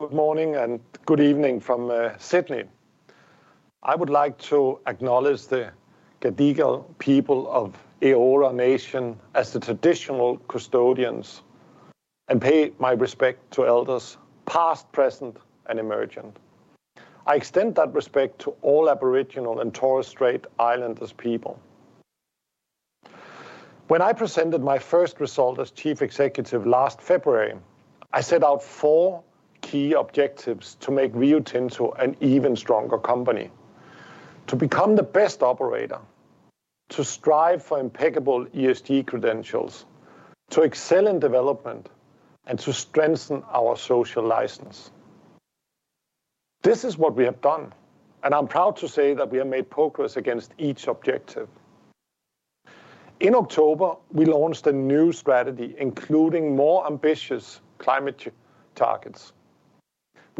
Good morning and good evening from Sydney. I would like to acknowledge the Gadigal people of Eora Nation as the traditional custodians and pay my respect to elders past, present, and emergent. I extend that respect to all Aboriginal and Torres Strait Islander people. When I presented my first result as Chief Executive last February, I set out four key objectives to make Rio Tinto an even stronger company. To become the best operator, to strive for impeccable ESG credentials, to excel in development, and to strengthen our social license. This is what we have done, and I'm proud to say that we have made progress against each objective. In October, we launched a new strategy, including more ambitious climate change targets.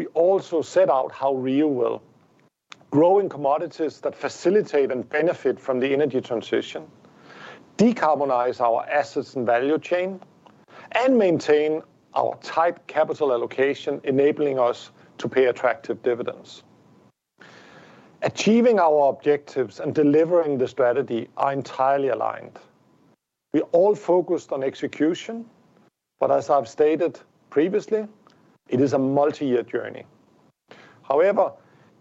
We also set out how Rio will grow in commodities that facilitate and benefit from the energy transition, decarbonize our assets and value chain, and maintain our tight capital allocation, enabling us to pay attractive dividends. Achieving our objectives and delivering the strategy are entirely aligned. We all focused on execution, but as I've stated previously, it is a multi-year journey. However,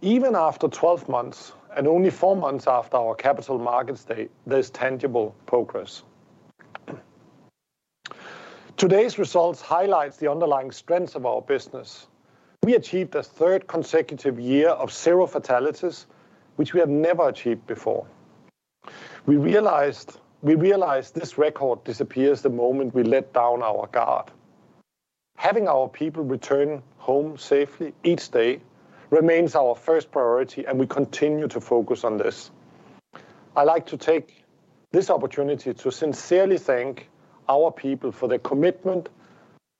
even after 12 months, and only four months after our capital markets day, there's tangible progress. Today's results highlights the underlying strengths of our business. We achieved a third consecutive year of zero fatalities, which we have never achieved before. We realize this record disappears the moment we let down our guard. Having our people return home safely each day remains our first priority, and we continue to focus on this. I'd like to take this opportunity to sincerely thank our people for their commitment,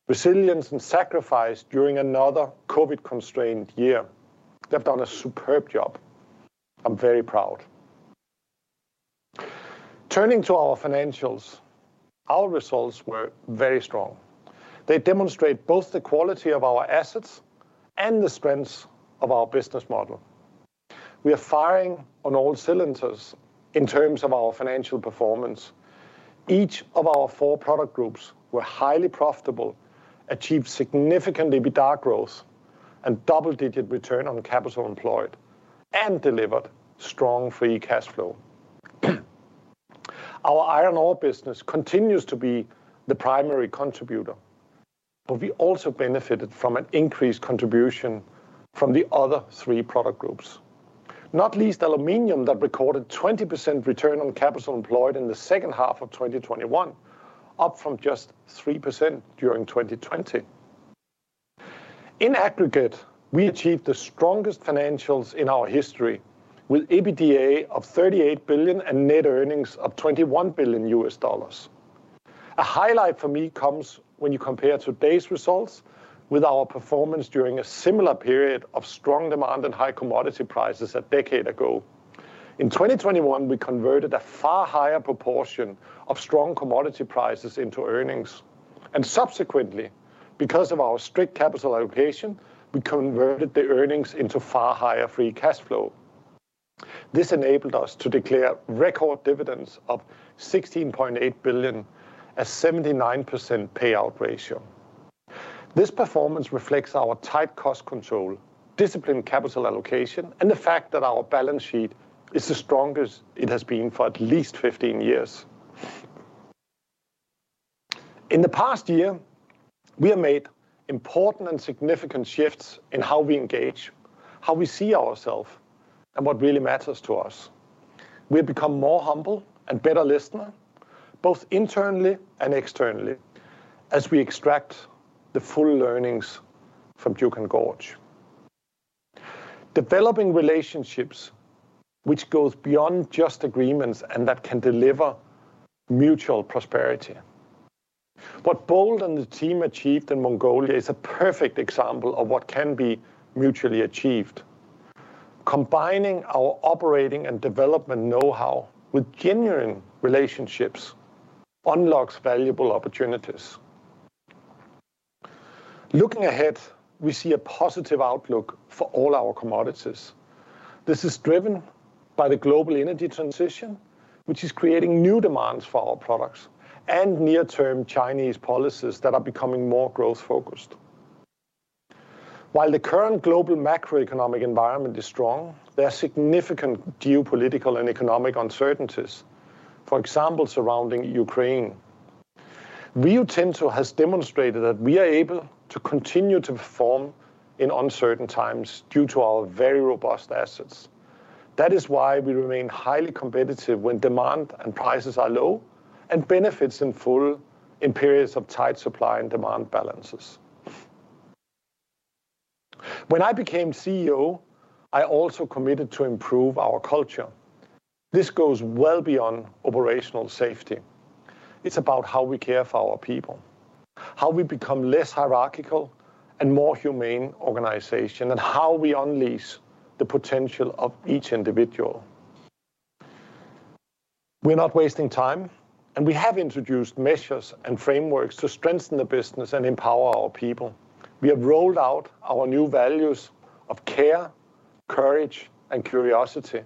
resilience, and sacrifice during another COVID-constrained year. They've done a superb job. I'm very proud. Turning to our financials, our results were very strong. They demonstrate both the quality of our assets and the strengths of our business model. We are firing on all cylinders in terms of our financial performance. Each of our four product groups were highly profitable, achieved significant EBITDA growth, and double-digit return on capital employed, and delivered strong free cash flow. Our iron ore business continues to be the primary contributor, but we also benefited from an increased contribution from the other three product groups. Not least aluminum that recorded 20% return on capital employed in the second half of 2021, up from just 3% during 2020. In aggregate, we achieved the strongest financials in our history with EBITDA of $38 billion and net earnings of $21 billion. A highlight for me comes when you compare today's results with our performance during a similar period of strong demand and high commodity prices a decade ago. In 2021, we converted a far higher proportion of strong commodity prices into earnings, and subsequently, because of our strict capital allocation, we converted the earnings into far higher free cash flow. This enabled us to declare record dividends of $16.8 billion, a 79% payout ratio. This performance reflects our tight cost control, disciplined capital allocation, and the fact that our balance sheet is the strongest it has been for at least 15 years. In the past year, we have made important and significant shifts in how we engage, how we see ourself, and what really matters to us. We have become more humble and better listener, both internally and externally, as we extract the full learnings from Juukan Gorge, developing relationships which goes beyond just agreements and that can deliver mutual prosperity. What Bold and the team achieved in Mongolia is a perfect example of what can be mutually achieved. Combining our operating and development know-how with genuine relationships unlocks valuable opportunities. Looking ahead, we see a positive outlook for all our commodities. This is driven by the global energy transition, which is creating new demands for our products and near-term Chinese policies that are becoming more growth focused. While the current global macroeconomic environment is strong, there are significant geopolitical and economic uncertainties, for example, surrounding Ukraine. Rio Tinto has demonstrated that we are able to continue to perform in uncertain times due to our very robust assets. That is why we remain highly competitive when demand and prices are low, and benefit in full in periods of tight supply and demand balances. When I became CEO, I also committed to improve our culture. This goes well beyond operational safety. It's about how we care for our people, how we become less hierarchical and more humane organization, and how we unleash the potential of each individual. We're not wasting time, and we have introduced measures and frameworks to strengthen the business and empower our people. We have rolled out our new values of care, courage, and curiosity,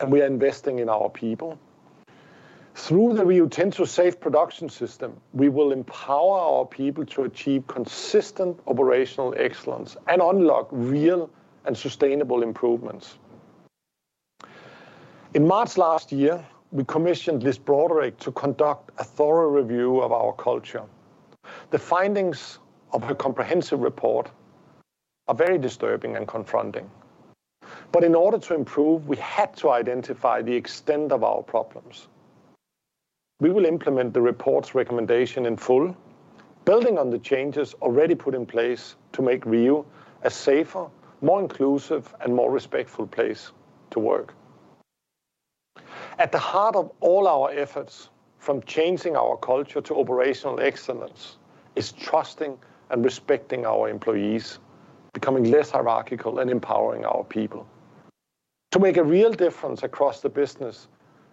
and we are investing in our people. Through the Rio Tinto Safe Production System, we will empower our people to achieve consistent operational excellence and unlock real and sustainable improvements. In March last year, we commissioned Liz Broderick to conduct a thorough review of our culture. The findings of her comprehensive report are very disturbing and confronting. In order to improve, we had to identify the extent of our problems. We will implement the report's recommendation in full, building on the changes already put in place to make Rio a safer, more inclusive, and more respectful place to work. At the heart of all our efforts, from changing our culture to operational excellence, is trusting and respecting our employees, becoming less hierarchical, and empowering our people. To make a real difference across the business,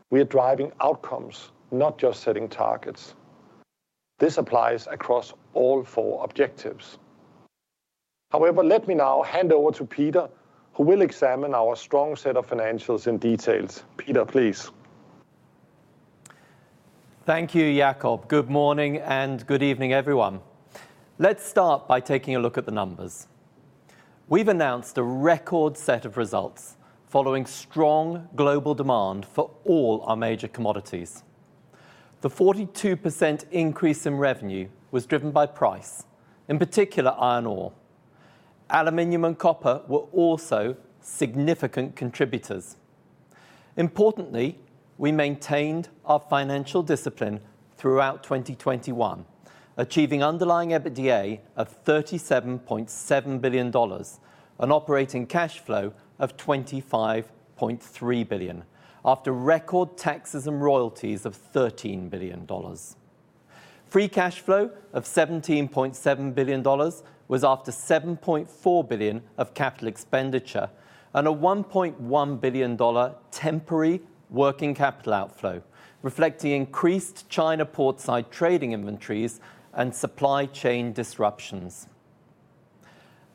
we are driving outcomes, not just setting targets. This applies across all four objectives. However, let me now hand over to Peter, who will examine our strong set of financials in detail. Peter, please. Thank you, Jakob. Good morning and good evening, everyone. Let's start by taking a look at the numbers. We've announced a record set of results following strong global demand for all our major commodities. The 42% increase in revenue was driven by price, in particular iron ore. Aluminum and copper were also significant contributors. Importantly, we maintained our financial discipline throughout 2021, achieving underlying EBITDA of $37.7 billion, an operating cash flow of $25.3 billion after record taxes and royalties of $13 billion. Free cash flow of $17.7 billion was after $7.4 billion of capital expenditure and a $1.1 billion temporary working capital outflow, reflecting increased China portside trading inventories and supply chain disruptions.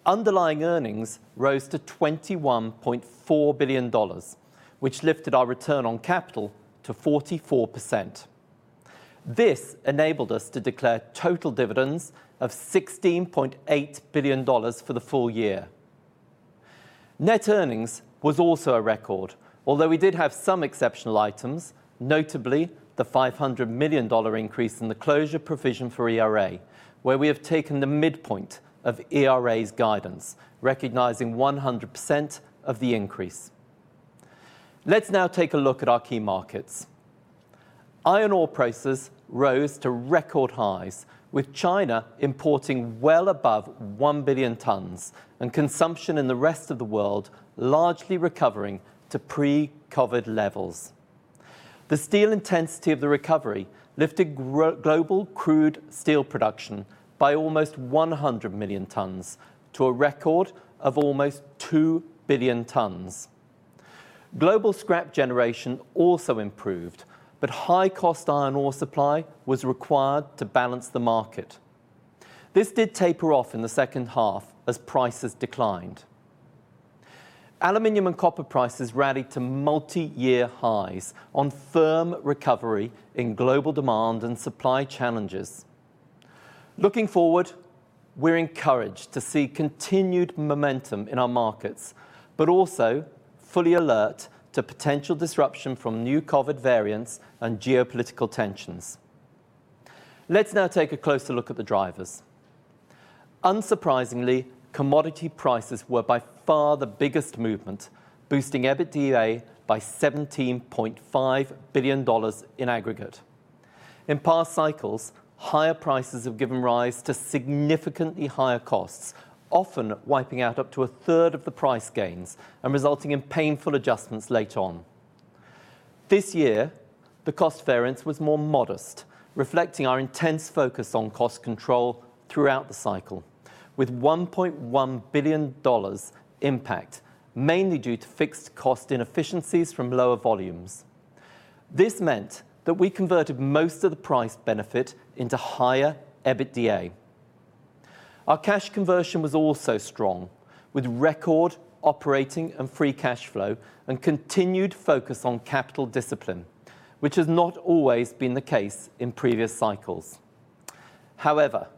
Underlying earnings rose to $21.4 billion, which lifted our return on capital to 44%. This enabled us to declare total dividends of $16.8 billion for the full year. Net earnings was also a record, although we did have some exceptional items, notably the $500 million increase in the closure provision for ERA, where we have taken the midpoint of ERA's guidance, recognizing 100% of the increase. Let's now take a look at our key markets. Iron ore prices rose to record highs, with China importing well above 1 billion tons and consumption in the rest of the world largely recovering to pre-COVID levels. The steel intensity of the recovery lifted global crude steel production by almost 100 million tons to a record of almost 2 billion tons. Global scrap generation also improved, but high-cost iron ore supply was required to balance the market. This did taper off in the second half as prices declined. Aluminum and copper prices rallied to multi-year highs on firm recovery in global demand and supply challenges. Looking forward, we're encouraged to see continued momentum in our markets, but also fully alert to potential disruption from new COVID variants and geopolitical tensions. Let's now take a closer look at the drivers. Unsurprisingly, commodity prices were by far the biggest movement, boosting EBITDA by $17.5 billion in aggregate. In past cycles, higher prices have given rise to significantly higher costs, often wiping out up to a third of the price gains and resulting in painful adjustments later on. This year, the cost variance was more modest, reflecting our intense focus on cost control throughout the cycle with $1.1 billion impact, mainly due to fixed cost inefficiencies from lower volumes. This meant that we converted most of the price benefit into higher EBITDA. Our cash conversion was also strong, with record operating and free cash flow and continued focus on capital discipline, which has not always been the case in previous cycles. However,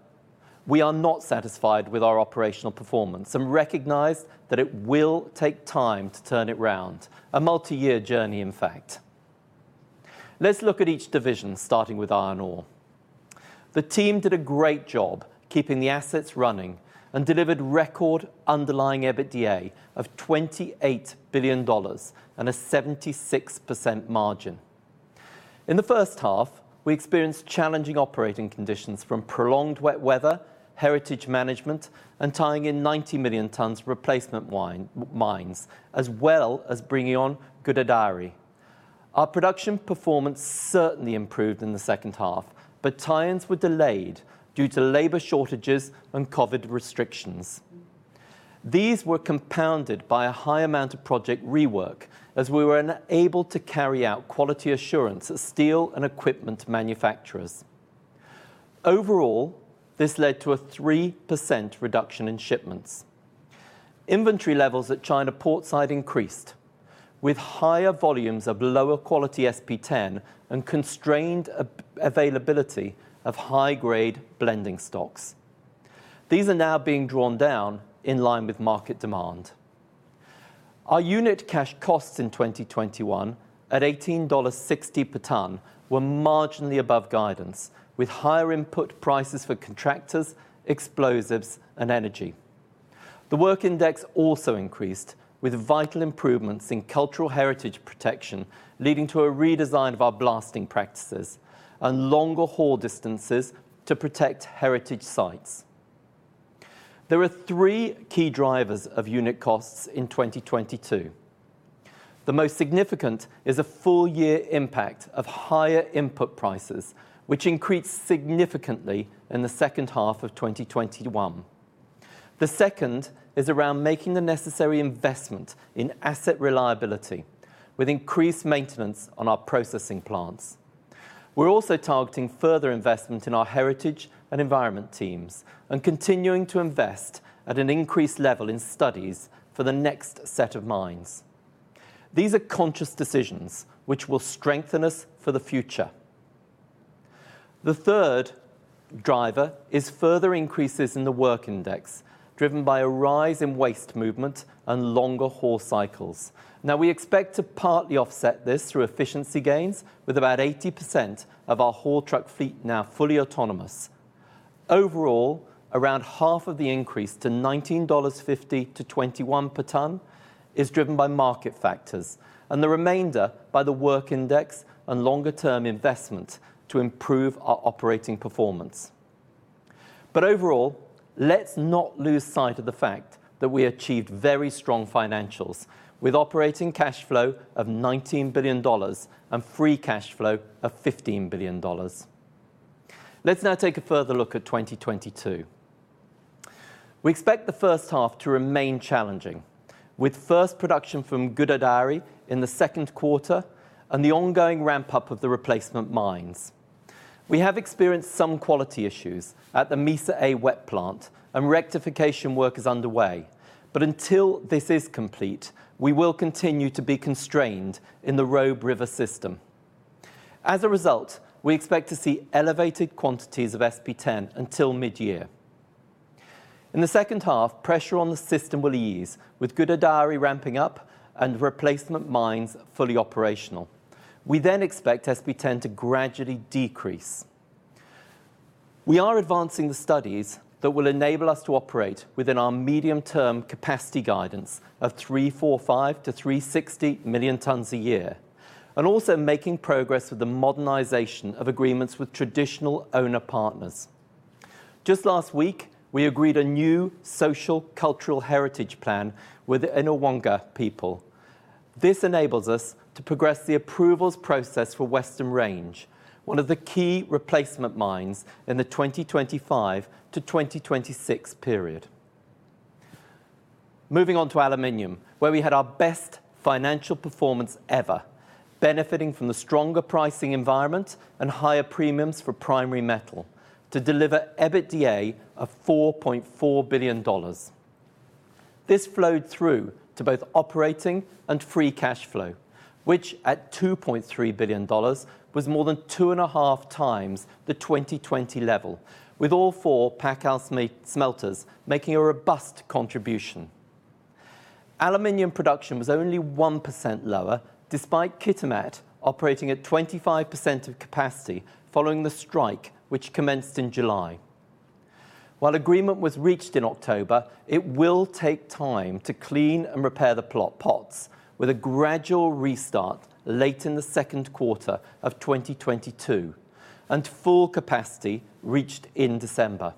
we are not satisfied with our operational performance and recognize that it will take time to turn it around, a multiyear journey, in fact. Let's look at each division, starting with iron ore. The team did a great job keeping the assets running and delivered record underlying EBITDA of $28 billion and a 76% margin. In the first half, we experienced challenging operating conditions from prolonged wet weather, heritage management, and tying in 90 million tons replacement new mines, as well as bringing on Gudai-Darri. Our production performance certainly improved in the second half, but tie-ins were delayed due to labor shortages and COVID restrictions. These were compounded by a high amount of project rework as we were unable to carry out quality assurance at steel and equipment manufacturers. Overall, this led to a 3% reduction in shipments. Inventory levels at China port side increased with higher volumes of lower quality SP10 and constrained availability of high grade blending stocks. These are now being drawn down in line with market demand. Our unit cash costs in 2021 at $18.60 per ton were marginally above guidance, with higher input prices for contractors, explosives, and energy. The work index also increased with vital improvements in cultural heritage protection, leading to a redesign of our blasting practices and longer haul distances to protect heritage sites. There are three key drivers of unit costs in 2022. The most significant is a full year impact of higher input prices, which increased significantly in the second half of 2021. The second is around making the necessary investment in asset reliability with increased maintenance on our processing plants. We're also targeting further investment in our heritage and environment teams and continuing to invest at an increased level in studies for the next set of mines. These are conscious decisions which will strengthen us for the future. The third driver is further increases in the work index, driven by a rise in waste movement and longer haul cycles. Now we expect to partly offset this through efficiency gains with about 80% of our haul truck fleet now fully autonomous. Overall, around half of the increase to $19.50-$21 per ton is driven by market factors and the remainder by the work index and longer term investment to improve our operating performance. Overall, let's not lose sight of the fact that we achieved very strong financials with operating cash flow of $19 billion and free cash flow of $15 billion. Let's now take a further look at 2022. We expect the first half to remain challenging with first production from Gudai-Darri in the second quarter and the ongoing ramp up of the replacement mines. We have experienced some quality issues at the Mesa A wet plant and rectification work is underway, but until this is complete, we will continue to be constrained in the Robe River system. As a result, we expect to see elevated quantities of SP10 until mid-year. In the second half, pressure on the system will ease with Gudai-Darri ramping up and replacement mines fully operational. We then expect SP10 to gradually decrease. We are advancing the studies that will enable us to operate within our medium-term capacity guidance of 345-360 million tons a year and also making progress with the modernization of agreements with traditional owner partners. Just last week, we agreed a new social cultural heritage plan with the Yinhawangka people. This enables us to progress the approvals process for Western Range, one of the key replacement mines in the 2025-2026 period. Moving on to aluminum, where we had our best financial performance ever, benefiting from the stronger pricing environment and higher premiums for primary metal to deliver EBITDA of $4.4 billion. This flowed through to both operating and free cash flow, which at $2.3 billion was more than two and a half times the 2020 level, with all four Pacific aluminum smelters making a robust contribution. Aluminum production was only 1% lower despite Kitimat operating at 25% of capacity following the strike which commenced in July. While agreement was reached in October, it will take time to clean and repair the potlines, with a gradual restart late in the second quarter of 2022 and full capacity reached in December.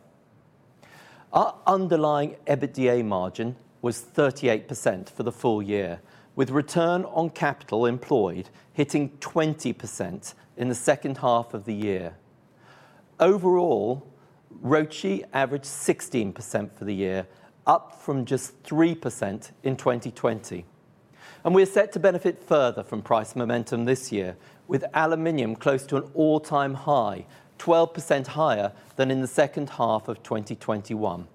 Our underlying EBITDA margin was 38% for the full year, with return on capital employed hitting 20% in the second half of the year. Overall, ROCE averaged 16% for the year, up from just 3% in 2020. We are set to benefit further from price momentum this year, with aluminum close to an all-time high, 12% higher than in the second half of 2021.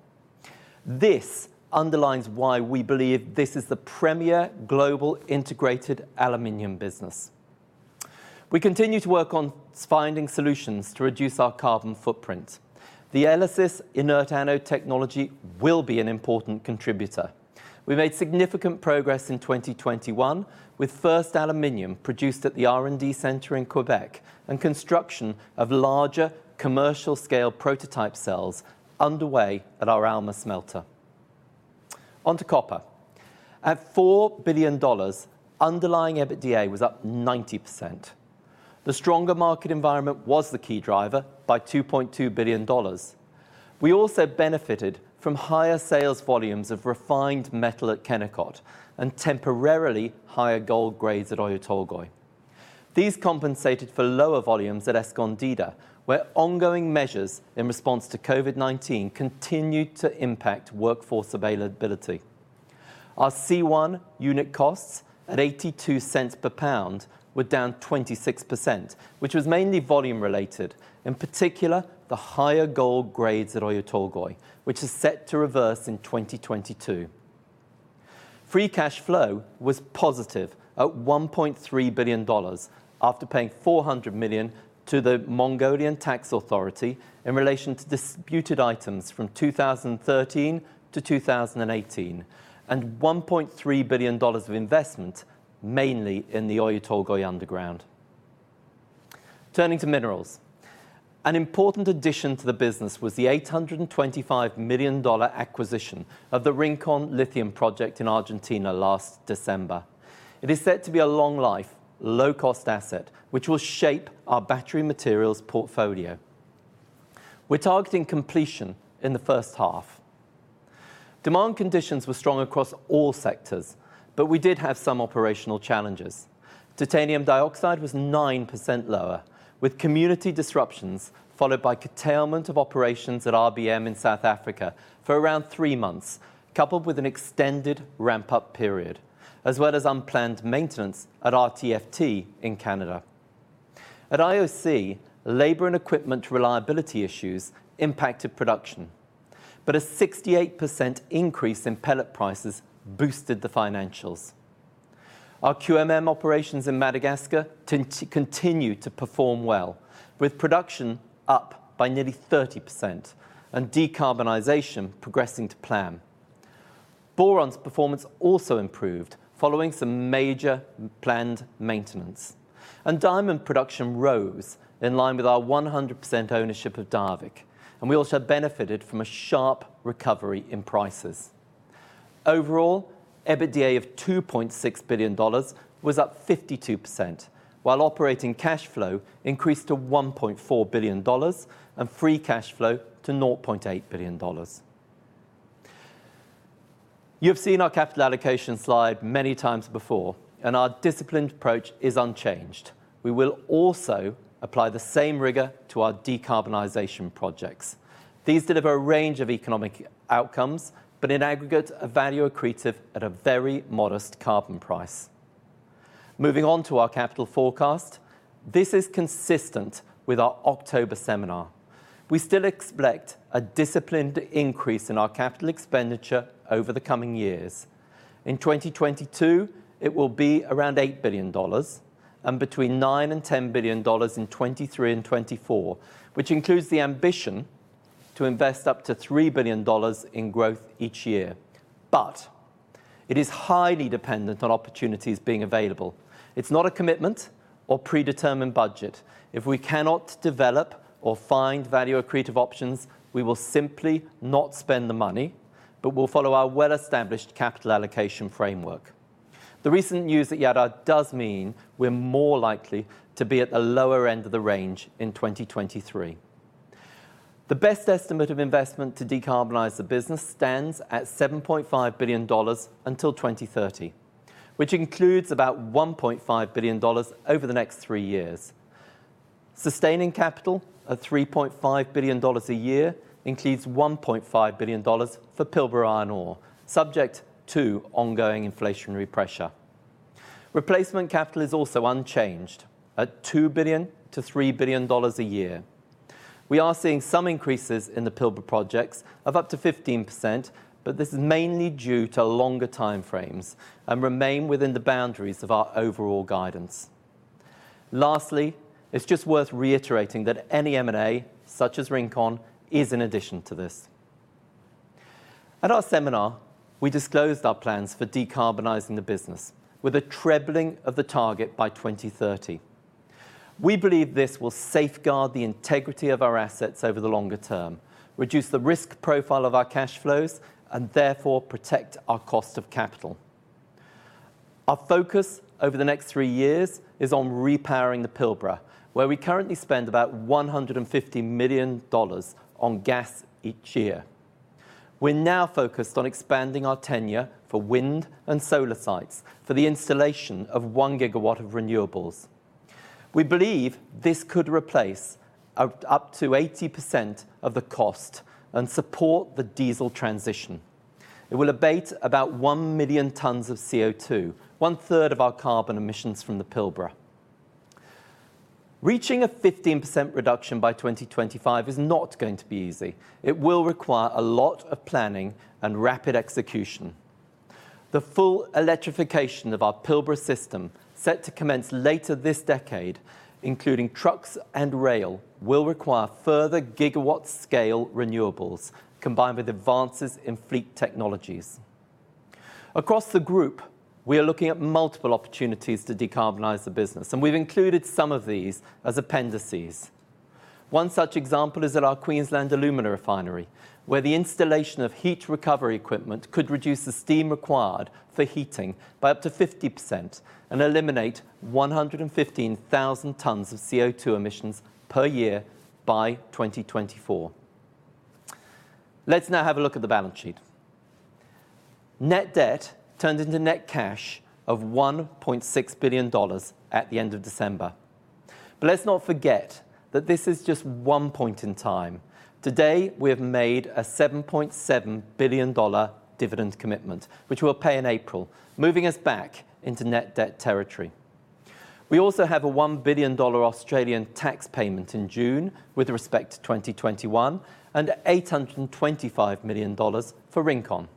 This underlines why we believe this is the premier global integrated aluminum business. We continue to work on finding solutions to reduce our carbon footprint. The advanced inert anode technology will be an important contributor. We made significant progress in 2021 with first aluminum produced at the R&D center in Quebec and construction of larger commercial scale prototype cells underway at our Alma smelter. On to copper. At $4 billion, underlying EBITDA was up 90%. The stronger market environment was the key driver by $2.2 billion. We also benefited from higher sales volumes of refined metal at Kennecott and temporarily higher gold grades at Oyu Tolgoi. These compensated for lower volumes at Escondida, where ongoing measures in response to COVID-19 continued to impact workforce availability. Our C1 unit costs at $0.82 per pound were down 26%, which was mainly volume related, in particular, the higher gold grades at Oyu Tolgoi, which is set to reverse in 2022. Free cash flow was positive at $1.3 billion after paying $400 million to the Mongolian tax authority in relation to disputed items from 2013 to 2018, and $1.3 billion of investment, mainly in the Oyu Tolgoi underground. Turning to minerals, an important addition to the business was the $825 million acquisition of the Rincon Lithium Project in Argentina last December. It is set to be a long life, low cost asset which will shape our battery materials portfolio. We're targeting completion in the first half. Demand conditions were strong across all sectors, but we did have some operational challenges. Titanium dioxide was 9% lower, with community disruptions followed by curtailment of operations at RBM in South Africa for around three months, coupled with an extended ramp-up period, as well as unplanned maintenance at RTFT in Canada. At IOC, labor and equipment reliability issues impacted production, but a 68% increase in pellet prices boosted the financials. Our QMM operations in Madagascar tend to continue to perform well, with production up by nearly 30% and decarbonization progressing to plan. Boron's performance also improved following some major planned maintenance. Diamond production rose in line with our 100% ownership of Diavik, and we also benefited from a sharp recovery in prices. Overall, EBITDA of $2.6 billion was up 52%, while operating cash flow increased to $1.4 billion and free cash flow to $0.8 billion. You have seen our capital allocation slide many times before, and our disciplined approach is unchanged. We will also apply the same rigor to our decarbonization projects. These deliver a range of economic outcomes, but in aggregate are value accretive at a very modest carbon price. Moving on to our capital forecast. This is consistent with our October seminar. We still expect a disciplined increase in our capital expenditure over the coming years. In 2022, it will be around $8 billion and between $9 billion and $10 billion in 2023 and 2024, which includes the ambition to invest up to $3 billion in growth each year. It is highly dependent on opportunities being available. It's not a commitment or predetermined budget. If we cannot develop or find value accretive options, we will simply not spend the money, but we'll follow our well-established capital allocation framework. The recent news at Jadar does mean we're more likely to be at the lower end of the range in 2023. The best estimate of investment to decarbonize the business stands at $7.5 billion until 2030, which includes about $1.5 billion over the next three years. Sustaining capital at $3.5 billion a year includes $1.5 billion for Pilbara Iron Ore, subject to ongoing inflationary pressure. Replacement capital is also unchanged at $2 billion-$3 billion a year. We are seeing some increases in the Pilbara projects of up to 15%, but this is mainly due to longer time frames and remains within the boundaries of our overall guidance. Lastly, it's just worth reiterating that any M&A such as Rincon is in addition to this. At our seminar, we disclosed our plans for decarbonizing the business with a trebling of the target by 2030. We believe this will safeguard the integrity of our assets over the longer term, reduce the risk profile of our cash flows, and therefore protect our cost of capital. Our focus over the next three years is on repowering the Pilbara, where we currently spend about $150 million on gas each year. We're now focused on expanding our tenure for wind and solar sites for the installation of 1 GW of renewables. We believe this could replace up to 80% of the cost and support the diesel transition. It will abate about 1 million tons of CO2, one-third of our carbon emissions from the Pilbara. Reaching a 15% reduction by 2025 is not going to be easy. It will require a lot of planning and rapid execution. The full electrification of our Pilbara system, set to commence later this decade, including trucks and rail, will require further gigawatt-scale renewables combined with advances in fleet technologies. Across the group, we are looking at multiple opportunities to decarbonize the business, and we've included some of these as appendices. One such example is at our Queensland alumina refinery, where the installation of heat recovery equipment could reduce the steam required for heating by up to 50% and eliminate 115,000 tons of CO2 emissions per year by 2024. Let's now have a look at the balance sheet. Net debt turned into net cash of $1.6 billion at the end of December. Let's not forget that this is just one point in time. Today, we have made a $7.7 billion dividend commitment, which we'll pay in April, moving us back into net debt territory. We also have a 1 billion Australian dollars Australian tax payment in June with respect to 2021, and $825 million for Rincon.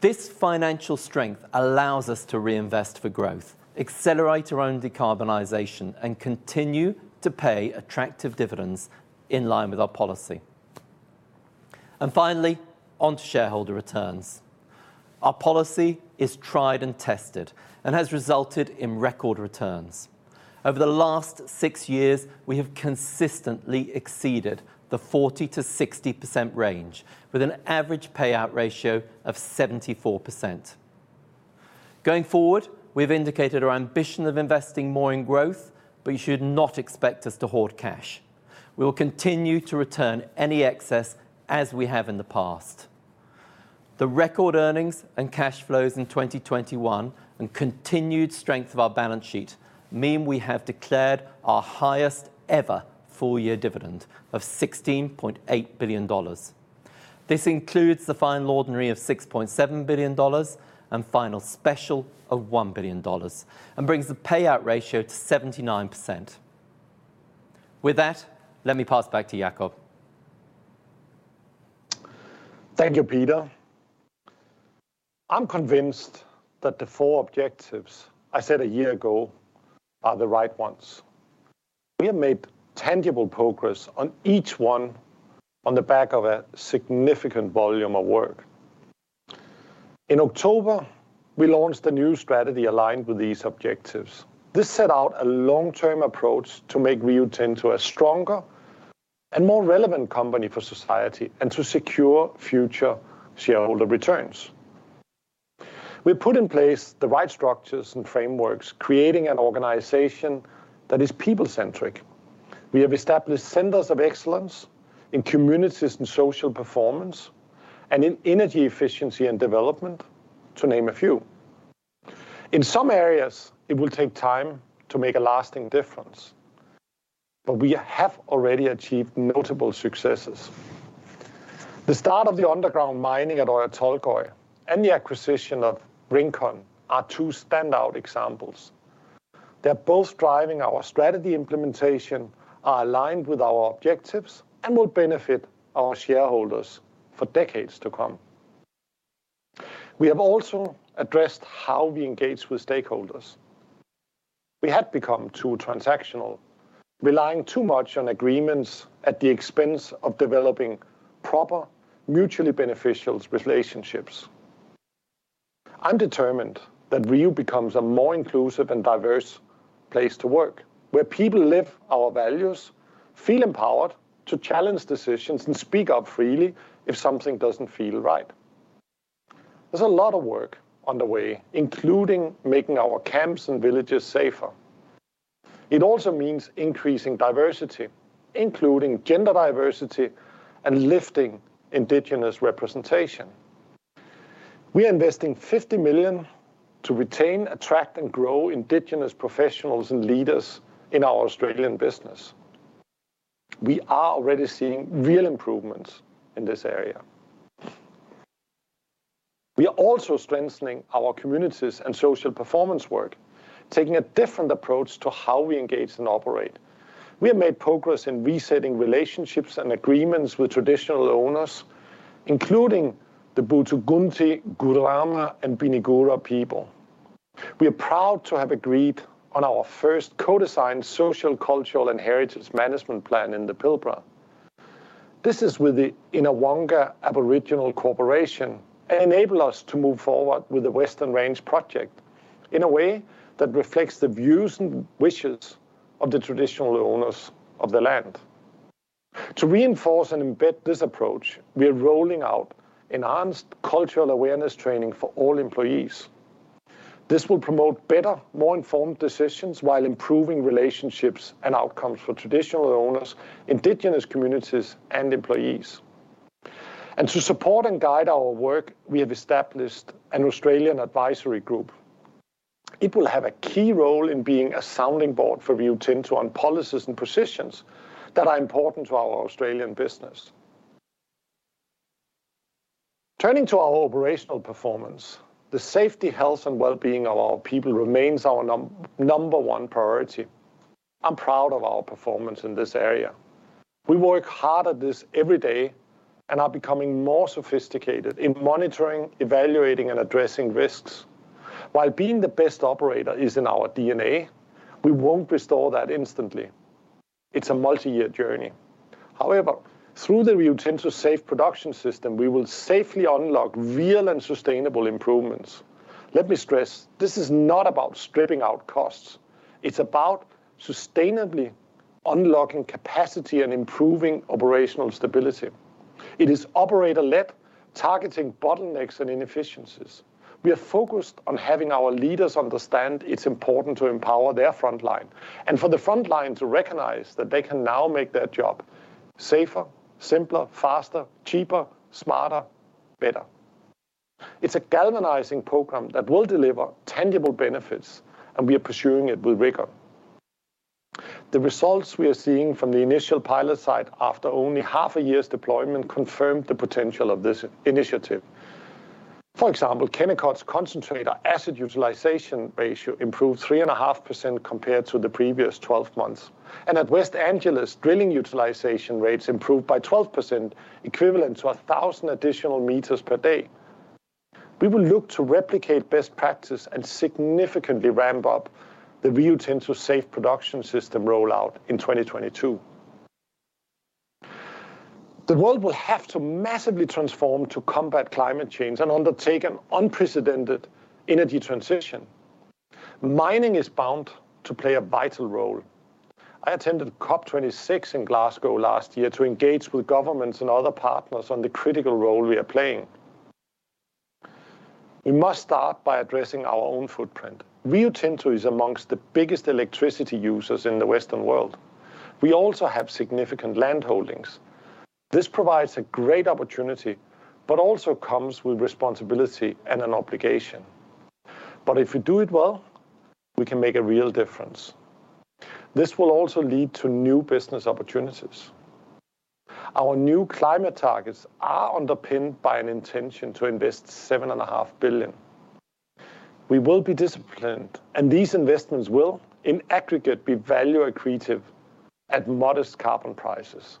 This financial strength allows us to reinvest for growth, accelerate our own decarbonization, and continue to pay attractive dividends in line with our policy. Finally, onto shareholder returns. Our policy is tried and tested and has resulted in record returns. Over the last six years, we have consistently exceeded the 40%-60% range with an average payout ratio of 74%. Going forward, we've indicated our ambition of investing more in growth, but you should not expect us to hoard cash. We will continue to return any excess as we have in the past. The record earnings and cash flows in 2021 and continued strength of our balance sheet mean we have declared our highest ever full-year dividend of $16.8 billion. This includes the final ordinary of $6.7 billion and final special of $1 billion, and brings the payout ratio to 79%. With that, let me pass back to Jakob. Thank you, Peter. I'm convinced that the four objectives I set a year ago are the right ones. We have made tangible progress on each one on the back of a significant volume of work. In October, we launched a new strategy aligned with these objectives. This set out a long-term approach to make Rio Tinto a stronger and more relevant company for society and to secure future shareholder returns. We put in place the right structures and frameworks, creating an organization that is people-centric. We have established centers of excellence in communities and social performance, and in energy efficiency and development, to name a few. In some areas, it will take time to make a lasting difference, but we have already achieved notable successes. The start of the underground mining at Oyu Tolgoi and the acquisition of Rincon are two standout examples. They're both driving our strategy implementation, are aligned with our objectives, and will benefit our shareholders for decades to come. We have also addressed how we engage with stakeholders. We had become too transactional, relying too much on agreements at the expense of developing proper, mutually beneficial relationships. I'm determined that Rio becomes a more inclusive and diverse place to work, where people live our values, feel empowered to challenge decisions, and speak up freely if something doesn't feel right. There's a lot of work underway, including making our camps and villages safer. It also means increasing diversity, including gender diversity and lifting Indigenous representation. We are investing $50 million to retain, attract, and grow Indigenous professionals and leaders in our Australian business. We are already seeing real improvements in this area. We are also strengthening our communities and social performance work, taking a different approach to how we engage and operate. We have made progress in resetting relationships and agreements with traditional owners, including the Budjiti, Gurama, and Binigura people. We are proud to have agreed on our first co-designed social, cultural, and heritage management plan in the Pilbara. This is with the Yinhawangka Aboriginal Corporation, and enable us to move forward with the Western Range project in a way that reflects the views and wishes of the traditional owners of the land. To reinforce and embed this approach, we are rolling out enhanced cultural awareness training for all employees. This will promote better, more informed decisions while improving relationships and outcomes for traditional owners, indigenous communities, and employees. To support and guide our work, we have established an Australian advisory group. It will have a key role in being a sounding board for Rio Tinto on policies and positions that are important to our Australian business. Turning to our operational performance, the safety, health, and well-being of our people remains our number one priority. I'm proud of our performance in this area. We work hard at this every day and are becoming more sophisticated in monitoring, evaluating, and addressing risks. While being the best operator is in our DNA, we won't restore that instantly. It's a multi-year journey. However, through the Rio Tinto Safe Production System, we will safely unlock real and sustainable improvements. Let me stress, this is not about stripping out costs. It's about sustainably unlocking capacity and improving operational stability. It is operator-led, targeting bottlenecks and inefficiencies. We are focused on having our leaders understand it's important to empower their frontline, and for the frontline to recognize that they can now make their job safer, simpler, faster, cheaper, smarter, better. It's a galvanizing program that will deliver tangible benefits, and we are pursuing it with rigor. The results we are seeing from the initial pilot site after only half a year's deployment confirmed the potential of this initiative. For example, Kennecott's concentrator asset utilization ratio improved 3.5% compared to the previous 12 months. At West Angelas, drilling utilization rates improved by 12%, equivalent to 1,000 additional meters per day. We will look to replicate best practice and significantly ramp up the Rio Tinto Safe Production System rollout in 2022. The world will have to massively transform to combat climate change and undertake an unprecedented energy transition. Mining is bound to play a vital role. I attended COP26 in Glasgow last year to engage with governments and other partners on the critical role we are playing. We must start by addressing our own footprint. Rio Tinto is among the biggest electricity users in the Western world. We also have significant land holdings. This provides a great opportunity, but also comes with responsibility and an obligation. If we do it well, we can make a real difference. This will also lead to new business opportunities. Our new climate targets are underpinned by an intention to invest $7.5 billion. We will be disciplined, and these investments will, in aggregate, be value accretive at modest carbon prices.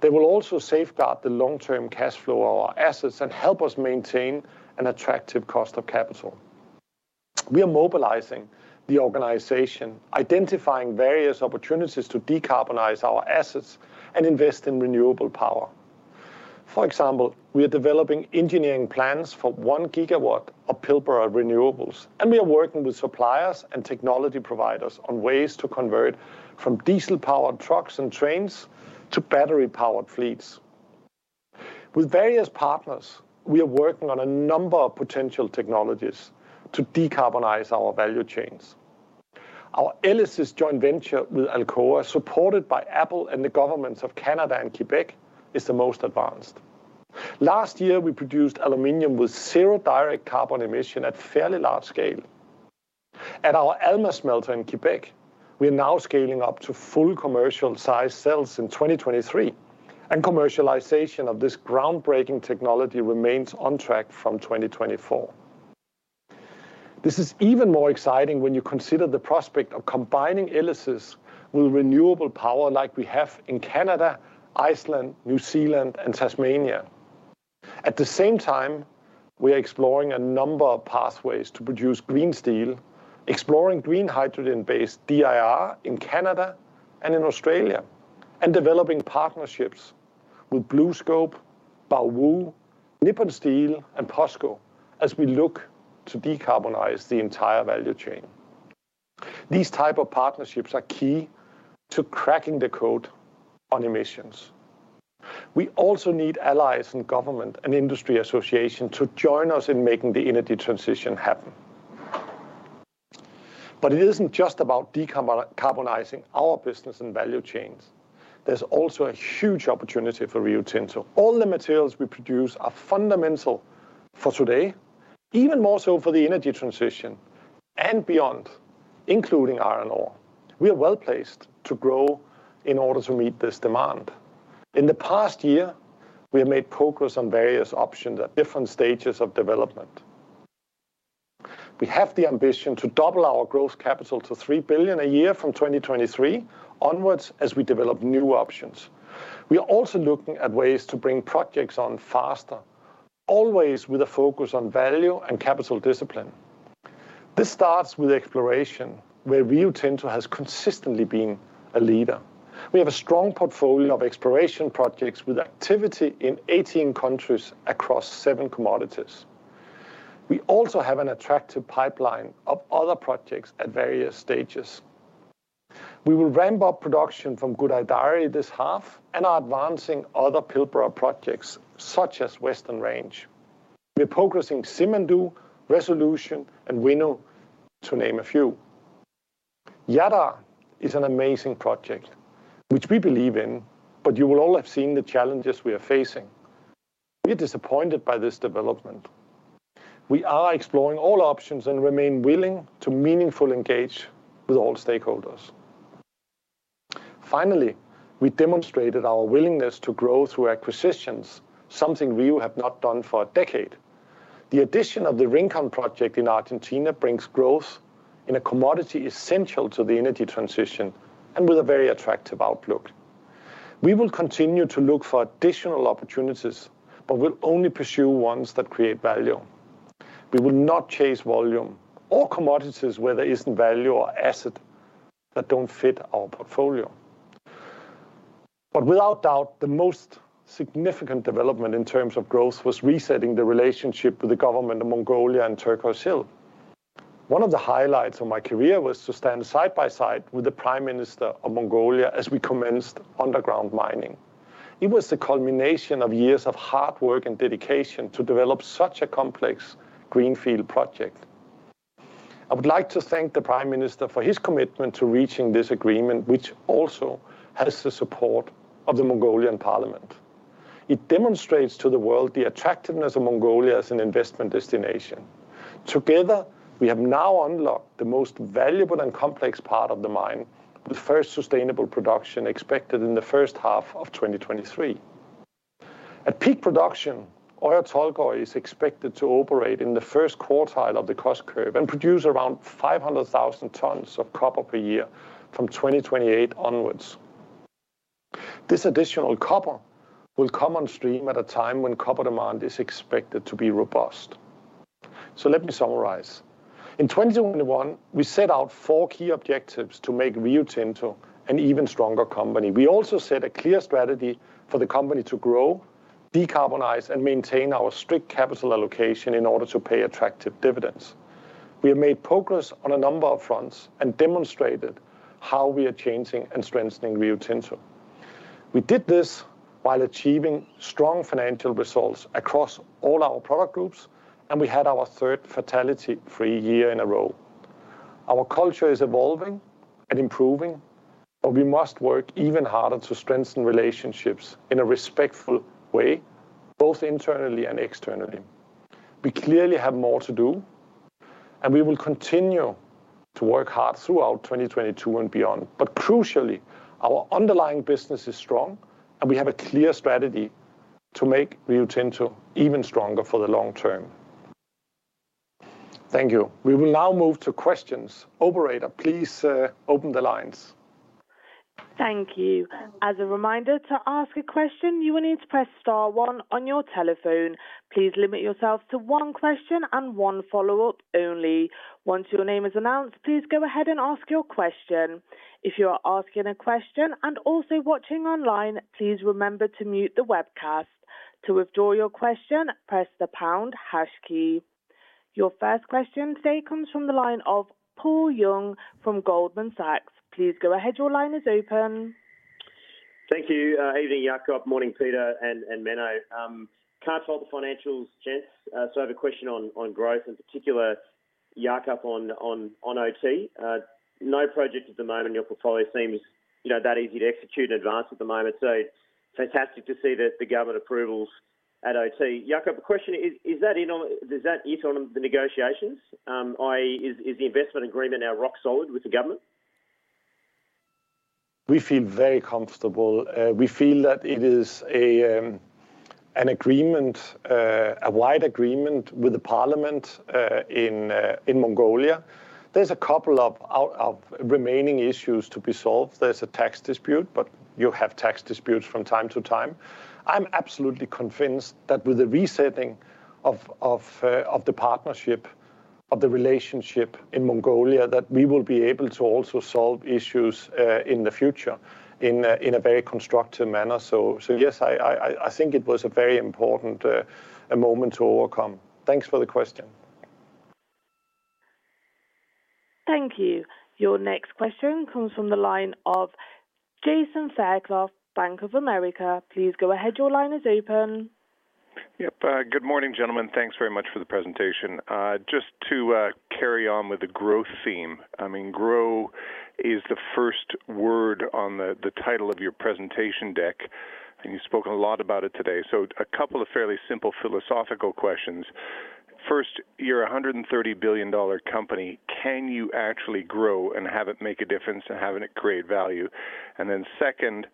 They will also safeguard the long-term cash flow of our assets and help us maintain an attractive cost of capital. We are mobilizing the organization, identifying various opportunities to decarbonize our assets, and invest in renewable power. For example, we are developing engineering plans for 1 GW of Pilbara renewables, and we are working with suppliers and technology providers on ways to convert from diesel-powered trucks and trains to battery-powered fleets. With various partners, we are working on a number of potential technologies to decarbonize our value chains. Our ELYSIS joint venture with Alcoa, supported by Apple and the governments of Canada and Quebec, is the most advanced. Last year, we produced aluminum with zero direct carbon emission at fairly large scale. At our Alma smelter in Quebec, we are now scaling up to full commercial size cells in 2023, and commercialization of this groundbreaking technology remains on track from 2024. This is even more exciting when you consider the prospect of combining ELYSIS with renewable power like we have in Canada, Iceland, New Zealand, and Tasmania. At the same time, we are exploring a number of pathways to produce green steel, exploring green hydrogen-based DRI in Canada and in Australia, and developing partnerships with BlueScope, Baowu, Nippon Steel, and POSCO as we look to decarbonize the entire value chain. These type of partnerships are key to cracking the code on emissions. We also need allies in government and industry association to join us in making the energy transition happen. It isn't just about decarbonizing our business and value chains. There's also a huge opportunity for Rio Tinto. All the materials we produce are fundamental for today, even more so for the energy transition and beyond, including iron ore. We are well-placed to grow in order to meet this demand. In the past year, we have made progress on various options at different stages of development. We have the ambition to double our growth capital to $3 billion a year from 2023 onwards as we develop new options. We are also looking at ways to bring projects on faster, always with a focus on value and capital discipline. This starts with exploration, where Rio Tinto has consistently been a leader. We have a strong portfolio of exploration projects with activity in 18 countries across seven commodities. We also have an attractive pipeline of other projects at various stages. We will ramp up production from Gudai-Darri this half and are advancing other Pilbara projects, such as Western Range. We're progressing Simandou, Resolution, and Winu, to name a few. Jadar is an amazing project, which we believe in, but you will all have seen the challenges we are facing. We are disappointed by this development. We are exploring all options and remain willing to meaningfully engage with all stakeholders. Finally, we demonstrated our willingness to grow through acquisitions, something Rio have not done for a decade. The addition of the Rincon project in Argentina brings growth in a commodity essential to the energy transition and with a very attractive outlook. We will continue to look for additional opportunities, but we'll only pursue ones that create value. We will not chase volume or commodities where there isn't value or asset that don't fit our portfolio. Without doubt, the most significant development in terms of growth was resetting the relationship with the government of Mongolia and Turquoise Hill. One of the highlights of my career was to stand side by side with the Prime Minister of Mongolia as we commenced underground mining. It was the culmination of years of hard work and dedication to develop such a complex greenfield project. I would like to thank the Prime Minister for his commitment to reaching this agreement, which also has the support of the Mongolian Parliament. It demonstrates to the world the attractiveness of Mongolia as an investment destination. Together, we have now unlocked the most valuable and complex part of the mine, with first sustainable production expected in the first half of 2023. At peak production, Oyu Tolgoi is expected to operate in the first quartile of the cost curve and produce around 500,000 tons of copper per year from 2028 onwards. This additional copper will come on stream at a time when copper demand is expected to be robust. Let me summarize. In 2021, we set out four key objectives to make Rio Tinto an even stronger company. We also set a clear strategy for the company to grow, decarbonize, and maintain our strict capital allocation in order to pay attractive dividends. We have made progress on a number of fronts and demonstrated how we are changing and strengthening Rio Tinto. We did this while achieving strong financial results across all our product groups, and we had our third fatality-free year in a row. Our culture is evolving and improving, but we must work even harder to strengthen relationships in a respectful way, both internally and externally. We clearly have more to do, and we will continue to work hard throughout 2022 and beyond. Crucially, our underlying business is strong, and we have a clear strategy to make Rio Tinto even stronger for the long term. Thank you. We will now move to questions. Operator, please, open the lines. Thank you. As a reminder, to ask a question, you will need to press star one on your telephone. Please limit yourself to one question and one follow-up only. Once your name is announced, please go ahead and ask your question. If you are asking a question and also watching online, please remember to mute the webcast. To withdraw your question, press the pound hash key. Your first question today comes from the line of Paul Young from Goldman Sachs. Please go ahead. Your line is open. Thank you. Evening, Jakob. Morning, Peter and Menno. Can't fault the financials, gents. I have a question on growth, in particular, Jakob, on OT. No project at the moment in your portfolio seems, you know, that easy to execute in advance at the moment. Fantastic to see the government approvals at OT. Jakob, the question is that it on the negotiations? I.e., is the investment agreement now rock solid with the government? We feel very comfortable. We feel that it is an agreement, a wide agreement with the Parliament in Mongolia. There's a couple of remaining issues to be solved. There's a tax dispute, but you have tax disputes from time to time. I'm absolutely convinced that with the resetting of the partnership, the relationship in Mongolia, that we will be able to also solve issues in the future in a very constructive manner. So yes, I think it was a very important moment to overcome. Thanks for the question. Thank you. Your next question comes from the line of Jason Fairclough, Bank of America. Please go ahead. Your line is open. Yep. Good morning, gentlemen. Thanks very much for the presentation. Just to carry on with the growth theme, I mean, grow is the first word on the title of your presentation deck, and you spoke a lot about it today. A couple of fairly simple philosophical questions. First, you're a $130 billion company. Can you actually grow and have it make a difference and having it create value? Second,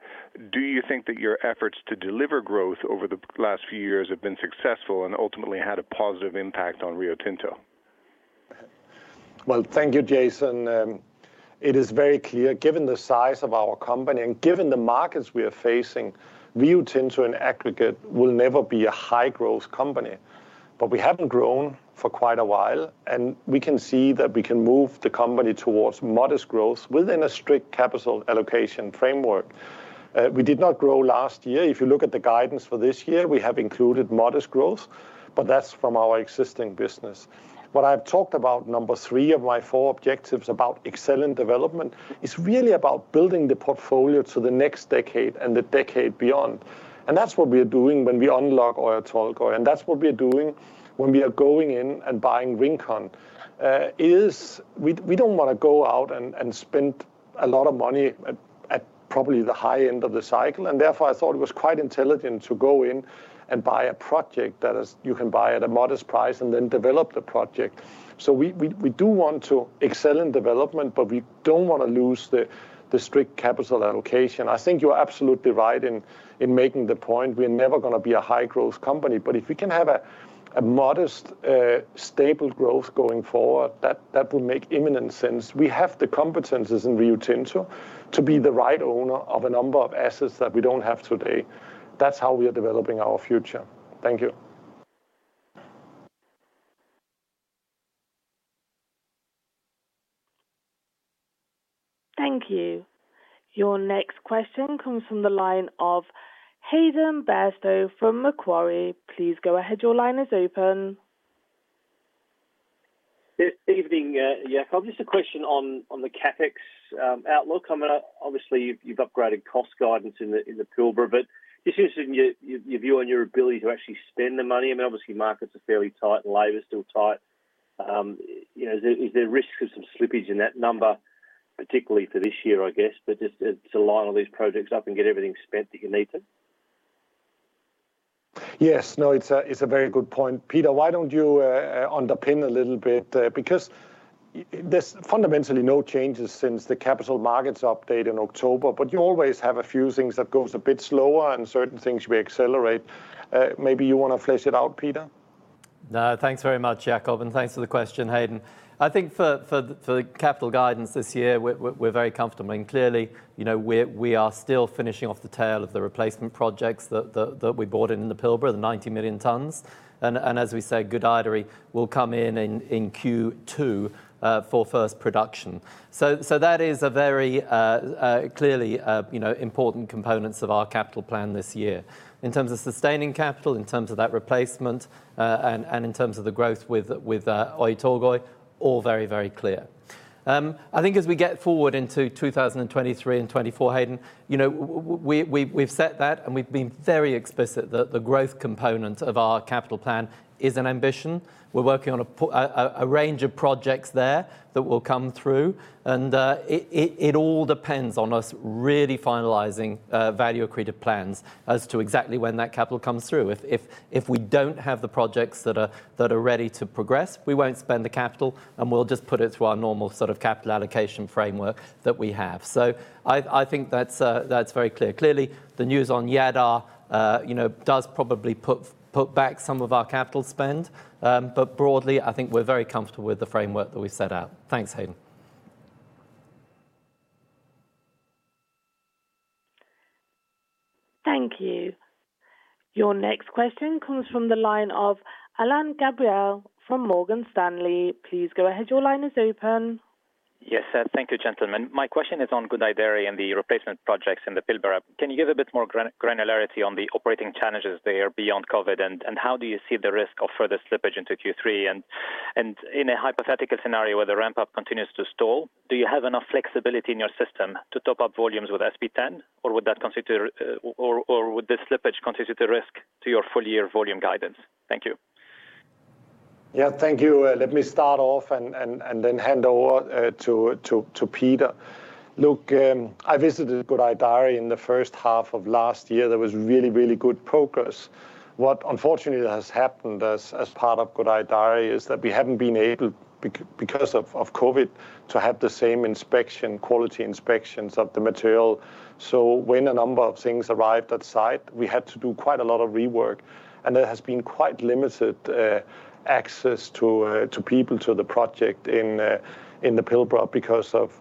do you think that your efforts to deliver growth over the last few years have been successful and ultimately had a positive impact on Rio Tinto? Well, thank you, Jason. It is very clear, given the size of our company and given the markets we are facing, Rio Tinto in aggregate will never be a high-growth company. But we haven't grown for quite a while, and we can see that we can move the company towards modest growth within a strict capital allocation framework. We did not grow last year. If you look at the guidance for this year, we have included modest growth, but that's from our existing business. What I've talked about, number three of my four objectives about excellent development, is really about building the portfolio to the next decade and the decade beyond. That's what we are doing when we unlock Oyu Tolgoi, and that's what we're doing when we are going in and buying Rincon. We don't wanna go out and spend a lot of money at probably the high end of the cycle, and therefore, I thought it was quite intelligent to go in and buy a project that is you can buy at a modest price and then develop the project. We do want to excel in development, but we don't wanna lose the strict capital allocation. I think you're absolutely right in making the point we're never gonna be a high-growth company. If we can have a modest stable growth going forward, that will make immense sense. We have the competencies in Rio Tinto to be the right owner of a number of assets that we don't have today. That's how we are developing our future. Thank you. Thank you. Your next question comes from the line of Hayden Bairstow from Macquarie. Please go ahead. Your line is open. Good evening, Jakob. Just a question on the CapEx outlook. I mean, obviously, you've upgraded cost guidance in the Pilbara, but just interested in your view on your ability to actually spend the money. I mean, obviously markets are fairly tight and labor is still tight. You know, is there risk of some slippage in that number, particularly for this year, I guess, but just to line all these projects up and get everything spent that you need to? Yes. No, it's a very good point. Peter, why don't you underpin a little bit, because there's fundamentally no changes since the capital markets update in October, but you always have a few things that goes a bit slower and certain things we accelerate. Maybe you wanna flesh it out, Peter. No, thanks very much, Jakob, and thanks for the question, Hayden. I think for the capital guidance this year, we're very comfortable. Clearly, you know, we are still finishing off the tail of the replacement projects that we bought in in the Pilbara, the 90 million tons. As we say, Gudai-Darri will come in in Q2 for first production. That is a very clearly, you know, important components of our capital plan this year. In terms of sustaining capital, in terms of that replacement, and in terms of the growth with Oyu Tolgoi, all very clear. I think as we get forward into 2023 and 2024, Hayden, you know, we've set that, and we've been very explicit that the growth component of our capital plan is an ambition. We're working on a range of projects there that will come through, and it all depends on us really finalizing value-accreted plans as to exactly when that capital comes through. If we don't have the projects that are ready to progress, we won't spend the capital, and we'll just put it through our normal sort of capital allocation framework that we have. I think that's very clear. Clearly, the news on Jadar, you know, does probably put back some of our capital spend, but broadly, I think we're very comfortable with the framework that we set out. Thanks, Hayden. Thank you. Your next question comes from the line of Alain Gabriel from Morgan Stanley. Please go ahead. Your line is open. Yes. Thank you, gentlemen. My question is on Koodaideri and the replacement projects in the Pilbara. Can you give a bit more granularity on the operating challenges there beyond COVID, and how do you see the risk of further slippage into Q3? In a hypothetical scenario where the ramp-up continues to stall, do you have enough flexibility in your system to top up volumes with SP10, or would the slippage constitute a risk to your full-year volume guidance? Thank you. Yeah. Thank you. Let me start off and then hand over to Peter. Look, I visited Gudai-Darri in the first half of last year. There was really good progress. What unfortunately has happened as part of Gudai-Darri is that we haven't been able because of COVID to have the same inspection, quality inspections of the material. So when a number of things arrived at site, we had to do quite a lot of rework, and there has been quite limited access to people to the project in the Pilbara because of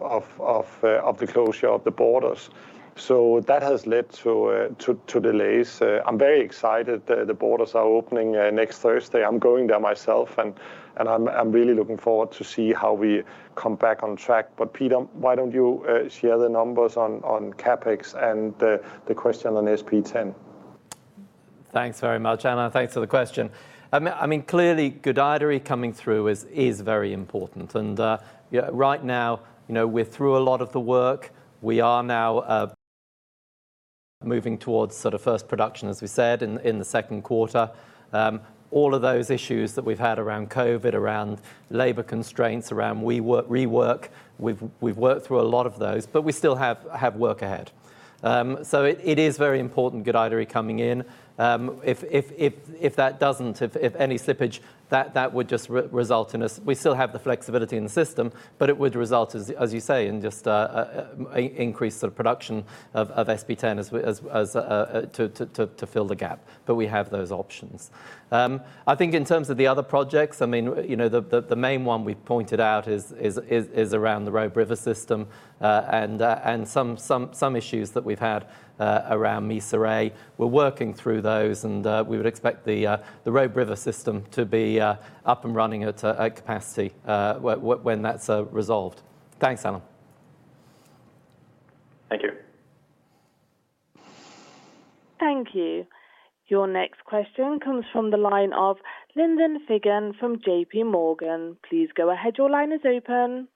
the closure of the borders. So that has led to delays. I'm very excited the borders are opening next Thursday. I'm going there myself, and I'm really looking forward to see how we come back on track. Peter, why don't you share the numbers on CapEx and the question on SP10? Thanks very much, Alain. Thanks for the question. I mean, clearly, Koodaideri coming through is very important. Yeah, right now, you know, we're through a lot of the work. We are now moving towards sort of first production, as we said, in the second quarter. All of those issues that we've had around COVID, around labor constraints, around rework, we've worked through a lot of those, but we still have work ahead. It is very important Koodaideri coming in. If that doesn't, if any slippage, that would just result in us. We still have the flexibility in the system, but it would result, as you say, in just increased sort of production of SP10 as we have to fill the gap. We have those options. I think in terms of the other projects, I mean, you know, the main one we pointed out is around the Robe River system and some issues that we've had around Misery. We're working through those, and we would expect the Robe River system to be up and running at capacity when that's resolved. Thanks, Alain. Thank you. Thank you. Your next question comes from the line of Lyndon Fagan from JPMorgan. Please go ahead. Your line is open.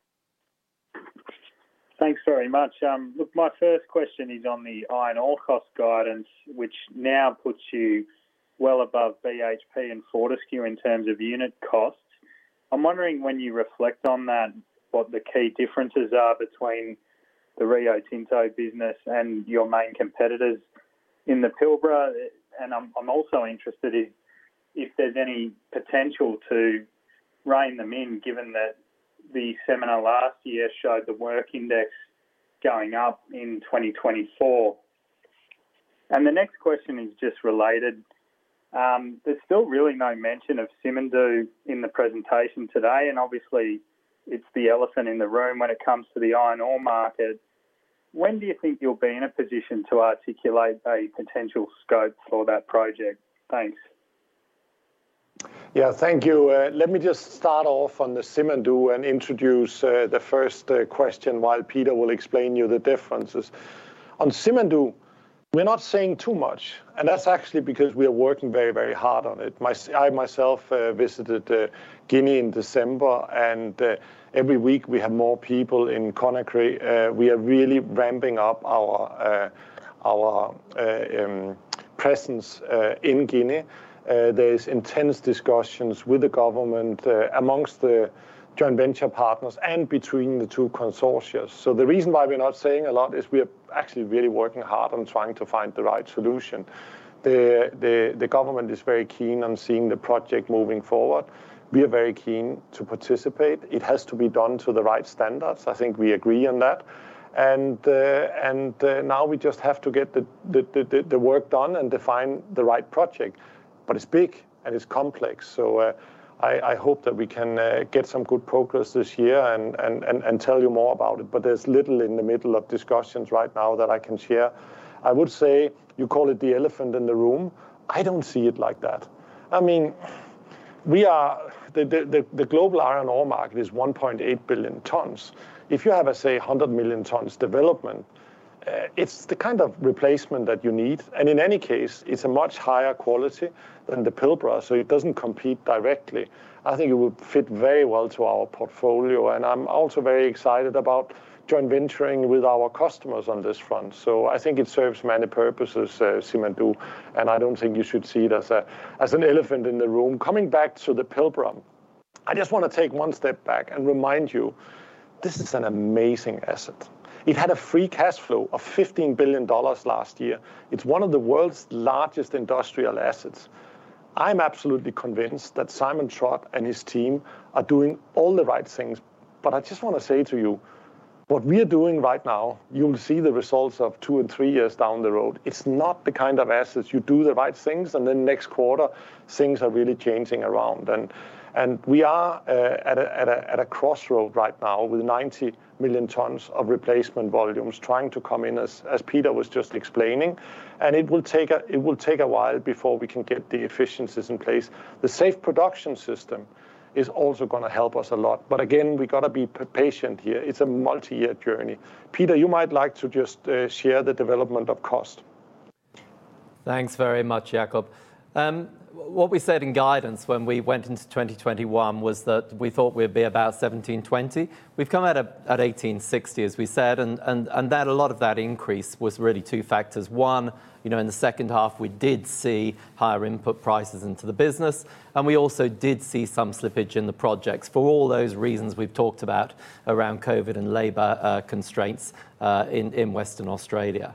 Thanks very much. Look, my first question is on the iron ore cost guidance, which now puts you well above BHP and Fortescue in terms of unit costs. I'm wondering when you reflect on that, what the key differences are between the Rio Tinto business and your main competitors in the Pilbara? I'm also interested if there's any potential to rein them in, given that the seminar last year showed the work index going up in 2024? The next question is just related. There's still really no mention of Simandou in the presentation today, and obviously it's the elephant in the room when it comes to the iron ore market. When do you think you'll be in a position to articulate a potential scope for that project? Thanks. Yeah. Thank you. Let me just start off on Simandou and introduce the first question while Peter will explain to you the differences. On Simandou, we're not saying too much, and that's actually because we are working very, very hard on it. I myself visited Guinea in December, and every week we have more people in Conakry. We are really ramping up our presence in Guinea. There is intense discussions with the government amongst the joint venture partners and between the two consortia. The reason why we're not saying a lot is we are actually really working hard on trying to find the right solution. The government is very keen on seeing the project moving forward. We are very keen to participate. It has to be done to the right standards. I think we agree on that. Now we just have to get the work done and define the right project. It's big and it's complex, so I hope that we can get some good progress this year and tell you more about it. There's little in the middle of discussions right now that I can share. I would say you call it the elephant in the room, I don't see it like that. I mean, we are. The global iron ore market is 1.8 billion tons. If you have, let's say, a 100 million tons development, it's the kind of replacement that you need. In any case, it's a much higher quality than the Pilbara, so it doesn't compete directly. I think it would fit very well to our portfolio, and I'm also very excited about joint venturing with our customers on this front. I think it serves many purposes, Simandou, and I don't think you should see it as an elephant in the room. Coming back to the Pilbara, I just wanna take one step back and remind you, this is an amazing asset. It had a free cash flow of $15 billion last year. It's one of the world's largest industrial assets. I'm absolutely convinced that Simon Trott and his team are doing all the right things. I just wanna say to you, what we are doing right now, you'll see the results of two, three years down the road. It's not the kind of assets you do the right things, and then next quarter, things are really changing around. We are at a crossroad right now with 90 million tons of replacement volumes trying to come in as Peter was just explaining. It will take a while before we can get the efficiencies in place. The Rio Tinto Safe Production System is also gonna help us a lot. Again, we gotta be patient here. It's a multi-year journey. Peter, you might like to just share the development of cost. Thanks very much, Jakob. What we said in guidance when we went into 2021 was that we thought we'd be about $17.20. We've come out at $18.60, as we said, and that a lot of that increase was really two factors. One, you know, in the second half, we did see higher input prices into the business, and we also did see some slippage in the projects for all those reasons we've talked about around COVID and labor constraints in Western Australia.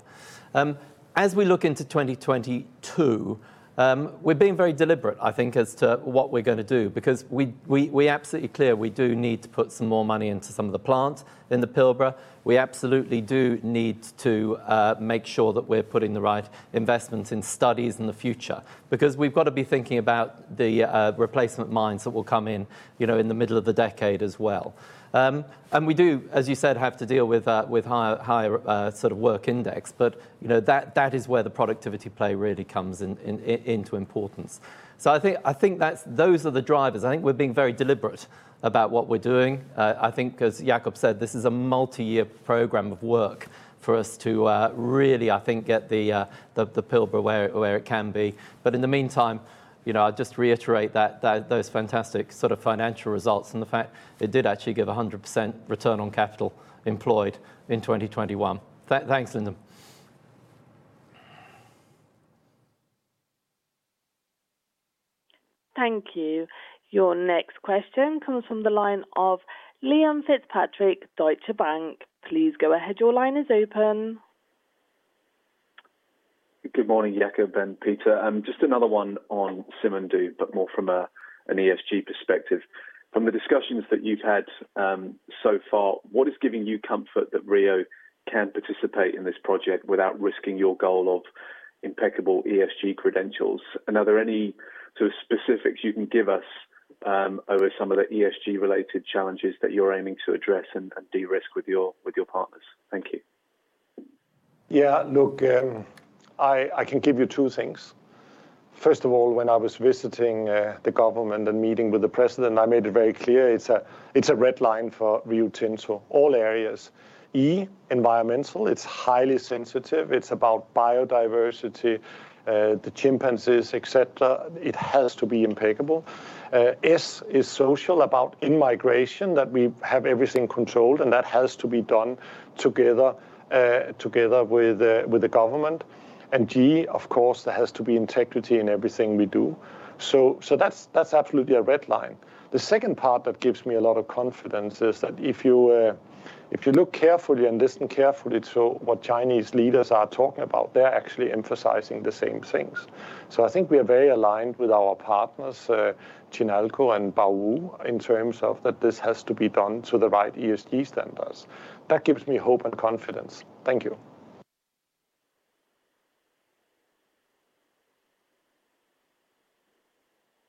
As we look into 2022, we're being very deliberate, I think, as to what we're gonna do because we're absolutely clear we do need to put some more money into some of the plant in the Pilbara. We absolutely do need to make sure that we're putting the right investments in studies in the future because we've got to be thinking about the replacement mines that will come in, you know, in the middle of the decade as well. We do, as you said, have to deal with higher sort of work index. You know, that is where the productivity play really comes into importance. I think those are the drivers. I think we're being very deliberate about what we're doing. I think as Jakob said, this is a multi-year program of work for us to really get the Pilbara where it can be. In the meantime, you know, I'll just reiterate that those fantastic sort of financial results and the fact it did actually give 100% return on capital employed in 2021. Thanks, Lyndon. Thank you. Your next question comes from the line of Liam Fitzpatrick, Deutsche Bank. Please go ahead. Your line is open. Good morning, Jakob and Peter. Just another one on Simandou, but more from an ESG perspective. From the discussions that you've had so far, what is giving you comfort that Rio can participate in this project without risking your goal of impeccable ESG credentials? Are there any sort of specifics you can give us over some of the ESG-related challenges that you're aiming to address and de-risk with your partners? Thank you. Yeah. Look, I can give you two things. First of all, when I was visiting the government and meeting with the president, I made it very clear it's a red line for Rio Tinto. All areas. E, environmental, it's highly sensitive. It's about biodiversity, the chimpanzees, et cetera. It has to be impeccable. S is social, about in-migration, that we have everything controlled, and that has to be done together with the government. G, of course, there has to be integrity in everything we do. That's absolutely a red line. The second part that gives me a lot of confidence is that if you look carefully and listen carefully to what Chinese leaders are talking about, they're actually emphasizing the same things. I think we are very aligned with our partners, Chinalco and Baowu, in terms of that this has to be done to the right ESG standards. That gives me hope and confidence. Thank you.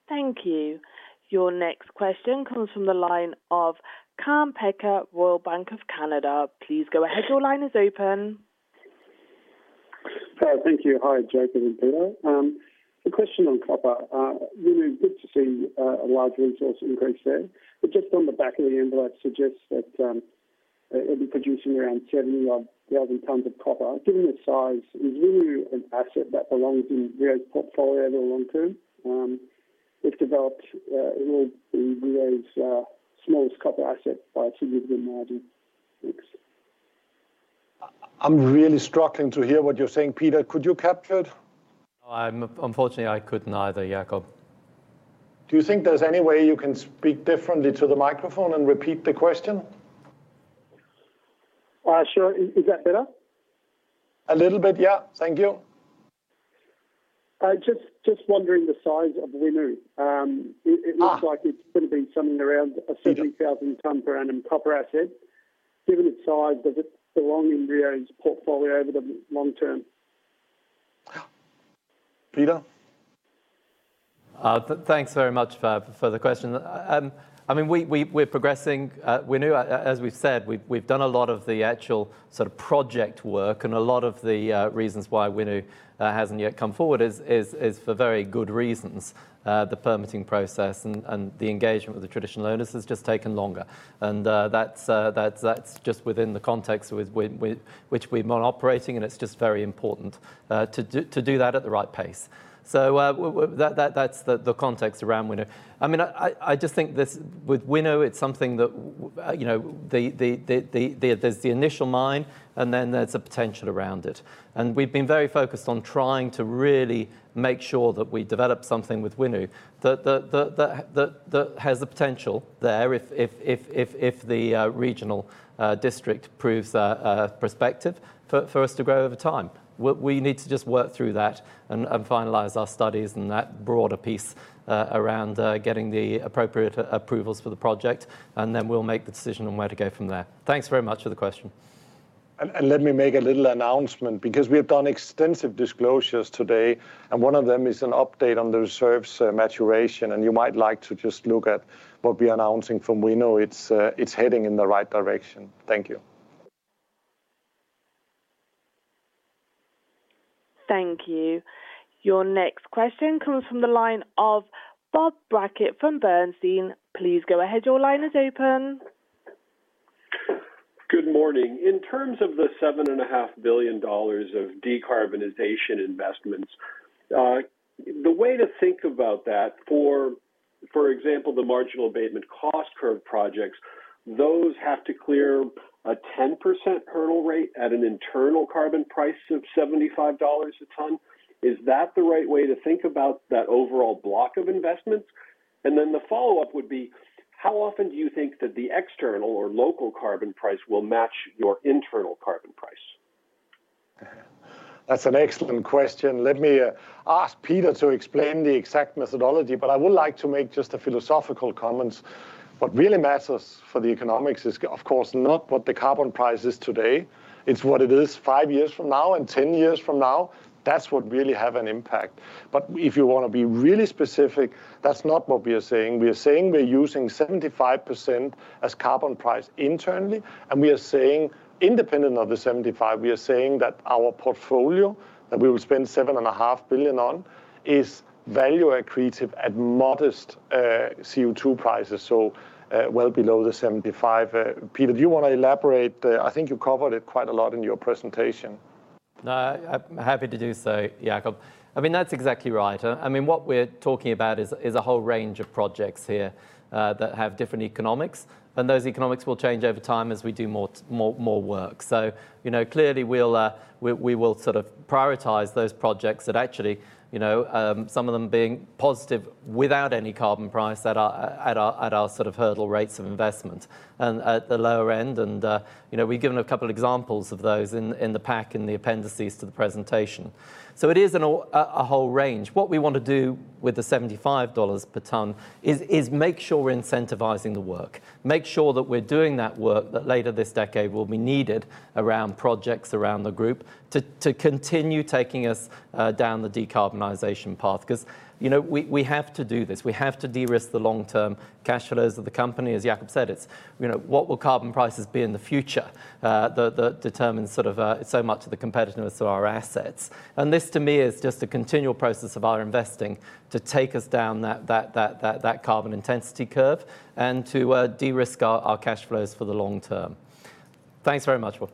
Thank you. Your next question comes from the line of Kaan Peker, Royal Bank of Canada. Please go ahead. Your line is open. Thank you. Hi, Jakob and Peter. The question on copper, really good to see a large resource increase there. But just on the back of the envelope suggests that it'll be producing around 70,000 tons of copper. Given the size, is Winu an asset that belongs in Rio's portfolio over the long term? If developed, it will be Rio's smallest copper asset by a significant margin. Thanks. I'm really struggling to hear what you're saying. Peter, could you capture it? Unfortunately, I couldn't either, Jakob. Do you think there's any way you can speak differently to the microphone and repeat the question? Sure. Is that better? A little bit, yeah. Thank you. Just wondering the size of Winu. It looks like it's gonna be something around a 70,000 tonne per annum copper asset. Given its size, does it belong in Rio's portfolio over the long term? Peter? Thanks very much for the question. I mean, we're progressing. Winu, as we've said, we've done a lot of the actual sort of project work and a lot of the reasons why Winu hasn't yet come forward is for very good reasons. The permitting process and the engagement with the traditional owners has just taken longer. That's just within the context with which we're operating, and it's just very important to do that at the right pace. That's the context around Winu. I mean, I just think this, with Winu, it's something that, you know, there's the initial mine, and then there's the potential around it. We've been very focused on trying to really make sure that we develop something with Winu that has the potential there if the regional district proves prospective for us to grow over time. We need to just work through that and finalize our studies and that broader piece around getting the appropriate approvals for the project, and then we'll make the decision on where to go from there. Thanks very much for the question. Let me make a little announcement because we have done extensive disclosures today, and one of them is an update on the reserves, maturation, and you might like to just look at what we're announcing from Winu. It's heading in the right direction. Thank you. Thank you. Your next question comes from the line of Bob Brackett from Bernstein. Please go ahead. Your line is open. Good morning. In terms of the $7.5 billion of decarbonization investments, the way to think about that, for example, the marginal abatement cost curve projects, those have to clear a 10% hurdle rate at an internal carbon price of $75 a ton. Is that the right way to think about that overall block of investments? The follow-up would be, how often do you think that the external or local carbon price will match your internal carbon price? That's an excellent question. Let me ask Peter to explain the exact methodology, but I would like to make just a philosophical comment. What really matters for the economics is, of course, not what the carbon price is today. It's what it is five years from now and 10 years from now. That's what really have an impact. If you wanna be really specific, that's not what we are saying. We are saying we're using 75% as carbon price internally, and we are saying, independent of the 75%, we are saying that our portfolio that we will spend $7.5 billion on is value accretive at modest, CO2 prices, so, well below the 75%. Peter, do you wanna elaborate? I think you covered it quite a lot in your presentation. No, I'm happy to do so, Jakob. I mean, that's exactly right. I mean, what we're talking about is a whole range of projects here that have different economics, and those economics will change over time as we do more work. You know, clearly, we will sort of prioritize those projects that actually, you know, some of them being positive without any carbon price that are at our sort of hurdle rates of investment and at the lower end. You know, we've given a couple examples of those in the pack, in the appendices to the presentation. It is a whole range. What we want to do with the $75 per ton is make sure we're incentivizing the work, make sure that we're doing that work that later this decade will be needed around projects around the group to continue taking us down the decarbonization path. 'Cause, you know, we have to do this. We have to de-risk the long-term cash flows of the company. As Jakob said, it's, you know, what will carbon prices be in the future, that determines sort of so much of the competitiveness of our assets. This, to me, is just a continual process of our investing to take us down that carbon intensity curve and to de-risk our cash flows for the long term. Thanks very much, Bob.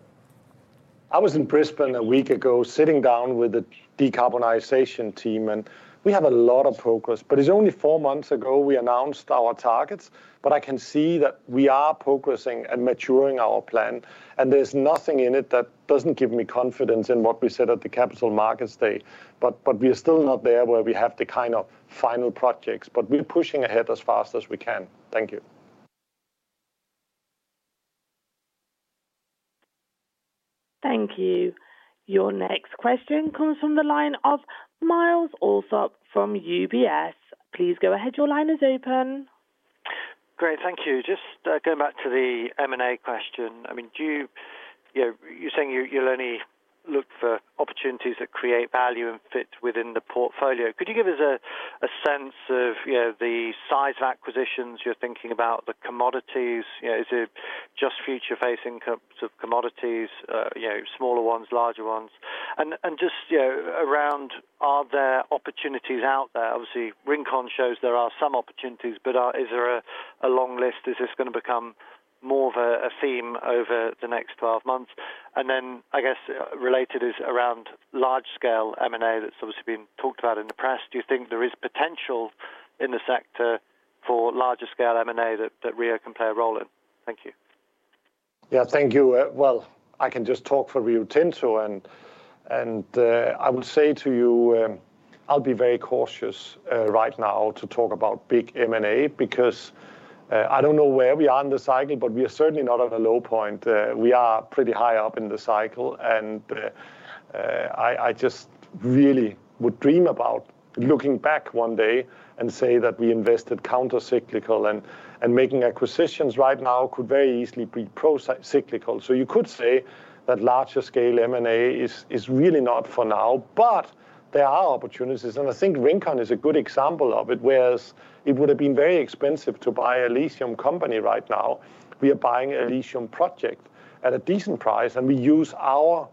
I was in Brisbane a week ago sitting down with the decarbonization team, and we have a lot of progress. It's only four months ago we announced our targets, but I can see that we are progressing and maturing our plan. There's nothing in it that doesn't give me confidence in what we said at the Capital Markets Day. We are still not there where we have the kind of final projects, but we're pushing ahead as fast as we can. Thank you. Thank you. Your next question comes from the line of Myles Allsop from UBS. Please go ahead. Your line is open. Great. Thank you. Just going back to the M&A question. I mean, do you—you know, you're saying you'll only look for opportunities that create value and fit within the portfolio. Could you give us a sense of, you know, the size of acquisitions you're thinking about, the commodities? You know, is it just future-facing co- sort of commodities, you know, smaller ones, larger ones? And just, you know, around are there opportunities out there? Obviously, Rincon shows there are some opportunities, but is there a long list? Is this gonna become more of a theme over the next 12 months? And then, I guess, related is around large scale M&A that's obviously been talked about in the press. Do you think there is potential in the sector for larger scale M&A that Rio can play a role in? Thank you. Yeah. Thank you. I can just talk for Rio Tinto and I will say to you, I'll be very cautious right now to talk about big M&A because I don't know where we are in the cycle, but we are certainly not at a low point. We are pretty high up in the cycle and I just really would dream about looking back one day and say that we invested counter cyclical and making acquisitions right now could very easily be pro-cyclical. You could say that larger scale M&A is really not for now, but there are opportunities, and I think Rincon is a good example of it. Whereas it would've been very expensive to buy a lithium company right now, we are buying a lithium project at a decent price, and we use our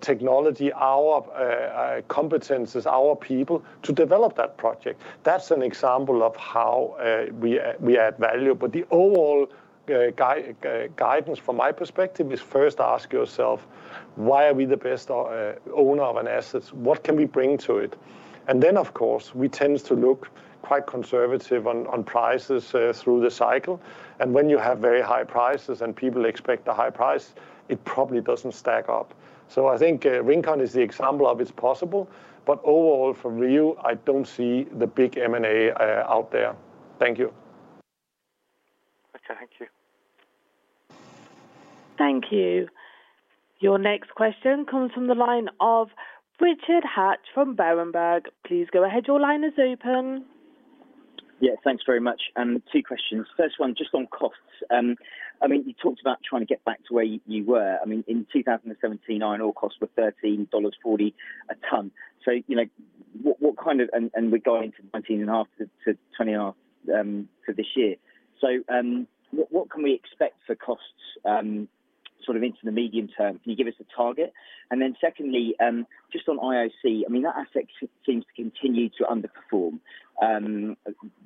technology, our competencies, our people to develop that project. That's an example of how we add value. But the overall guidance from my perspective is first ask yourself, why are we the best owner of an asset? What can we bring to it? Then, of course, we tend to look quite conservative on prices through the cycle. When you have very high prices and people expect a high price, it probably doesn't stack up. I think Rincon is the example of how it's possible, but overall for Rio, I don't see the big M&A out there. Thank you. Okay. Thank you. Thank you. Your next question comes from the line of Richard Hatch from Berenberg. Please go ahead. Your line is open. Yeah. Thanks very much. Two questions. First one, just on costs. I mean, you talked about trying to get back to where you were. I mean, in 2017, iron ore costs were $13.40 a ton. You know, what kind of and we're going into $19.50-$20.50 for this year. What can we expect for costs sort of into the medium term? Can you give us a target? Then secondly, just on IOC, I mean, that asset seems to continue to underperform.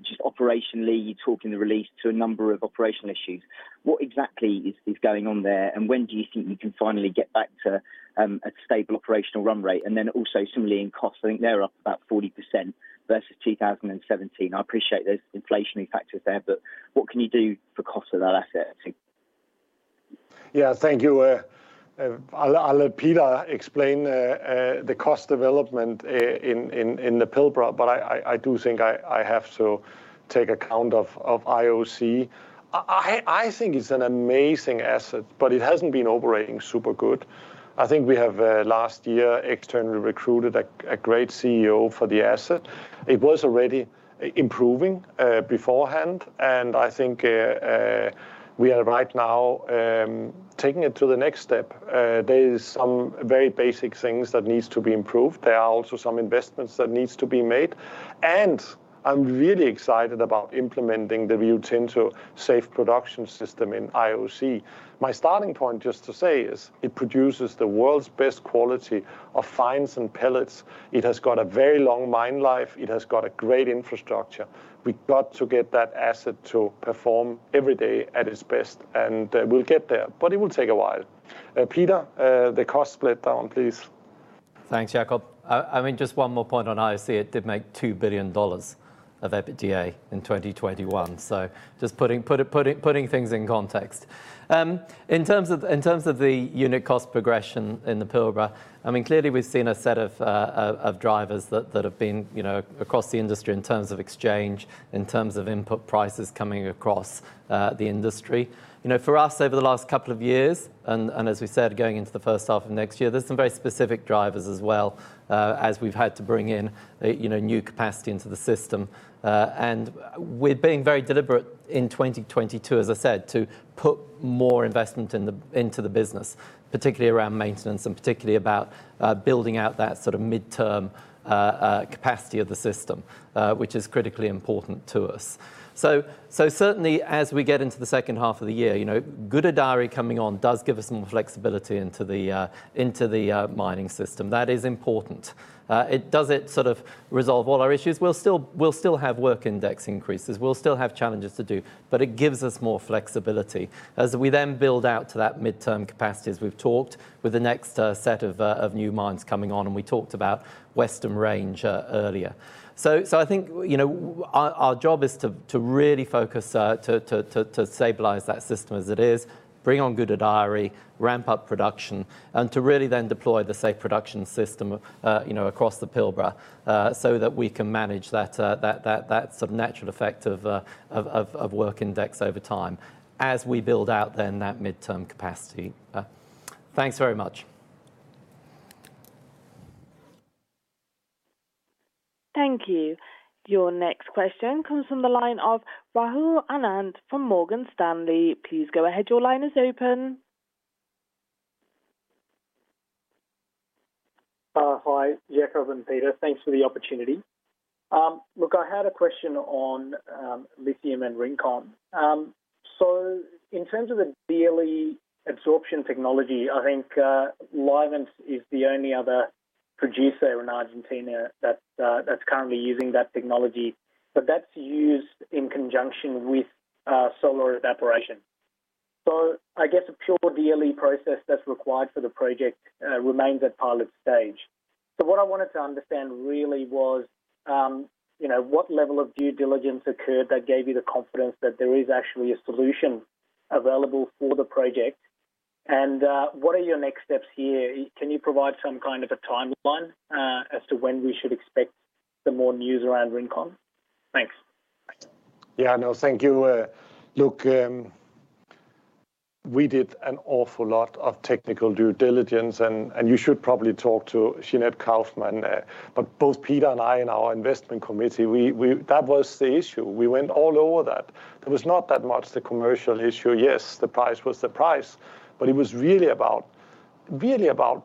Just operationally, you talk in the release to a number of operational issues. What exactly is going on there, and when do you think you can finally get back to a stable operational run rate? Also similarly in costs, I think they're up about 40% versus 2017. I appreciate there's inflationary factors there, but what can you do for cost of that asset, I think? Yeah. Thank you. I'll let Peter explain the cost development in the Pilbara, but I do think I have to take account of IOC. I think it's an amazing asset, but it hasn't been operating super good. I think we have last year externally recruited a great CEO for the asset. It was already improving beforehand, and I think we are right now taking it to the next step. There is some very basic things that needs to be improved. There are also some investments that needs to be made, and I'm really excited about implementing the Rio Tinto Safe Production System in IOC. My starting point just to say is it produces the world's best quality of fines and pellets. It has got a very long mine life. It has got a great infrastructure. We've got to get that asset to perform every day at its best, and we'll get there, but it will take a while. Peter, the cost breakdown, please. Thanks, Jakob. I mean, just one more point on IOC. It did make $2 billion of EBITDA in 2021, so just putting things in context. In terms of the unit cost progression in the Pilbara, I mean, clearly we've seen a set of drivers that have been, you know, across the industry in terms of exchange, in terms of input prices coming across the industry. You know, for us, over the last couple of years, and as we said, going into the first half of next year, there's some very specific drivers as well, as we've had to bring in, you know, new capacity into the system. We're being very deliberate in 2022, as I said, to put more investment into the business, particularly around maintenance and particularly about building out that sort of midterm capacity of the system, which is critically important to us. Certainly as we get into the second half of the year, you know, Gudai-Darri coming on does give us some flexibility into the mining system. That is important. It doesn't sort of resolve all our issues. We'll still have work index increases. We'll still have challenges to do, but it gives us more flexibility. As we then build out to that midterm capacity, as we've talked, with the next set of new mines coming on, and we talked about Western Range earlier. I think you know, our job is to really focus to stabilize that system as it is, bring on Gudai-Darri, ramp up production, and to really then deploy the Safe Production System you know, across the Pilbara, so that we can manage that sort of natural effect of work index over time as we build out then that midterm capacity. Thanks very much. Thank you. Your next question comes from the line of Rahul Anand from Morgan Stanley. Please go ahead. Your line is open. Hi, Jakob and Peter. Thanks for the opportunity. Look, I had a question on lithium and Rincon. In terms of the DLE absorption technology, I think Livent is the only other producer in Argentina that's currently using that technology, but that's used in conjunction with solar evaporation. I guess a pure DLE process that's required for the project remains at pilot stage. What I wanted to understand really was, you know, what level of due diligence occurred that gave you the confidence that there is actually a solution available for the project? What are your next steps here? Can you provide some kind of a timeline as to when we should expect some more news around Rincon? Thanks. Yeah, no, thank you. Look, we did an awful lot of technical due diligence and you should probably talk to Sinead Kaufman. Both Peter and I in our investment committee, that was the issue. We went all over that. There was not that much the commercial issue. Yes, the price was the price, but it was really about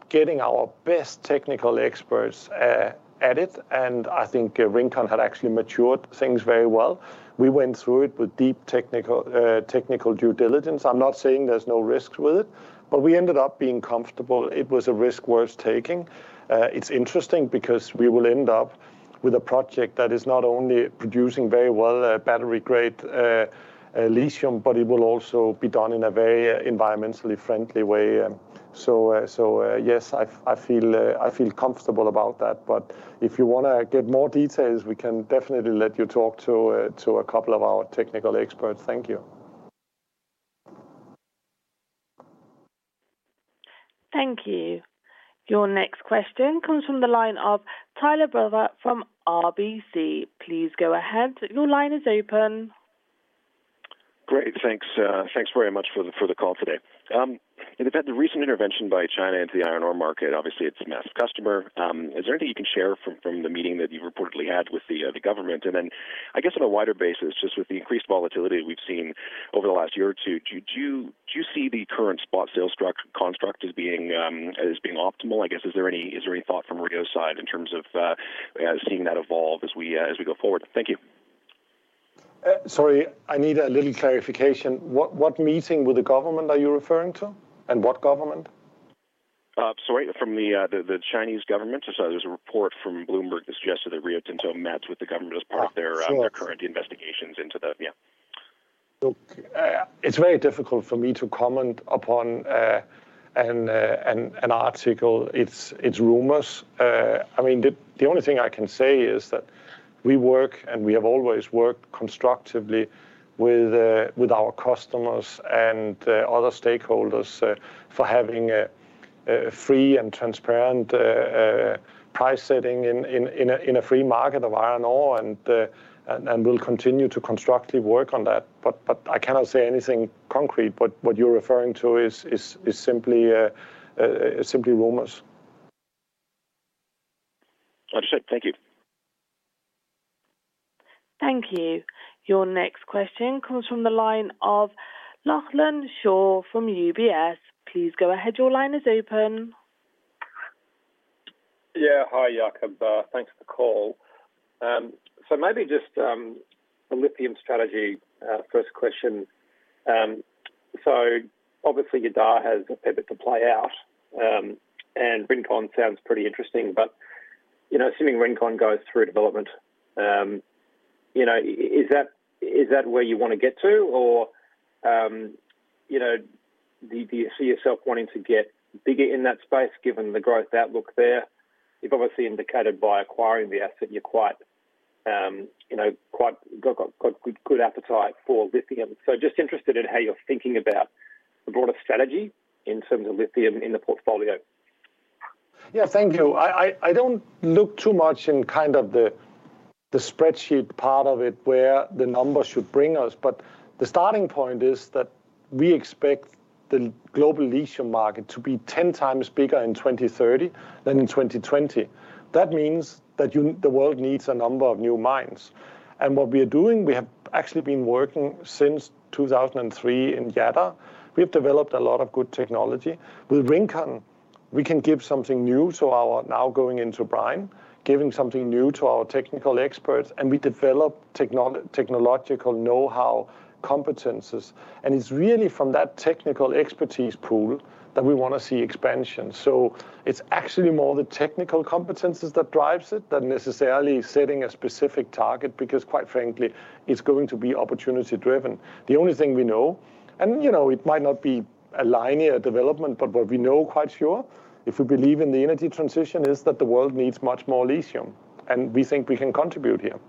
getting our best technical experts at it, and I think Rincon had actually matured things very well. We went through it with deep technical due diligence. I'm not saying there's no risks with it, but we ended up being comfortable it was a risk worth taking. It's interesting because we will end up with a project that is not only producing very well battery-grade lithium, but it will also be done in a very environmentally friendly way. Yes, I feel comfortable about that. If you wanna get more details, we can definitely let you talk to a couple of our technical experts. Thank you. Thank you. Your next question comes from the line of Tyler Broda from RBC. Please go ahead. Your line is open. Great. Thanks very much for the call today. In effect, the recent intervention by China into the iron ore market, obviously, it's a major customer. Is there anything you can share from the meeting that you've reportedly had with the government? I guess on a wider basis, just with the increased volatility we've seen over the last year or two, do you see the current spot sales structure as being optimal? I guess, is there any thought from Rio's side in terms of seeing that evolve as we go forward? Thank you. Sorry. I need a little clarification. What meeting with the government are you referring to? And what government? Sorry, from the Chinese government. There's a report from Bloomberg that suggested that Rio Tinto met with the government as part of their- Oh, sure. Their current investigations into that. Yeah. Look, it's very difficult for me to comment upon an article. It's rumors. I mean, the only thing I can say is that we work, and we have always worked constructively with our customers and other stakeholders for having a free and transparent price setting in a free market of iron ore and we'll continue to constructively work on that. I cannot say anything concrete. What you're referring to is simply rumors. Understood. Thank you. Thank you. Your next question comes from the line of Lachlan Shaw from UBS. Please go ahead. Your line is open. Yeah. Hi, Jakob. Thanks for the call. Maybe just the lithium strategy, first question. Obviously Jadar has a bit to play out, and Rincon sounds pretty interesting. You know, assuming Rincon goes through development, you know, is that where you wanna get to? You know, do you see yourself wanting to get bigger in that space given the growth outlook there? You've obviously indicated by acquiring the asset, you're quite, you know, quite good appetite for lithium. Just interested in how you're thinking about the broader strategy in terms of lithium in the portfolio. Yeah. Thank you. I don't look too much in kind of the spreadsheet part of it, where the numbers should bring us. The starting point is that we expect the global lithium market to be 10 times bigger in 2030 than in 2020. That means that you, the world needs a number of new mines. What we are doing, we have actually been working since 2003 in Jadar. We have developed a lot of good technology. With Rincon, we can give something new to our now going into brine, giving something new to our technical experts, and we develop technological know-how competences. It's really from that technical expertise pool that we wanna see expansion. It's actually more the technical competences that drives it than necessarily setting a specific target because, quite frankly, it's going to be opportunity-driven. The only thing we know, and, you know, it might not be a linear development, but what we know quite sure, if we believe in the energy transition, is that the world needs much more lithium, and we think we can contribute here.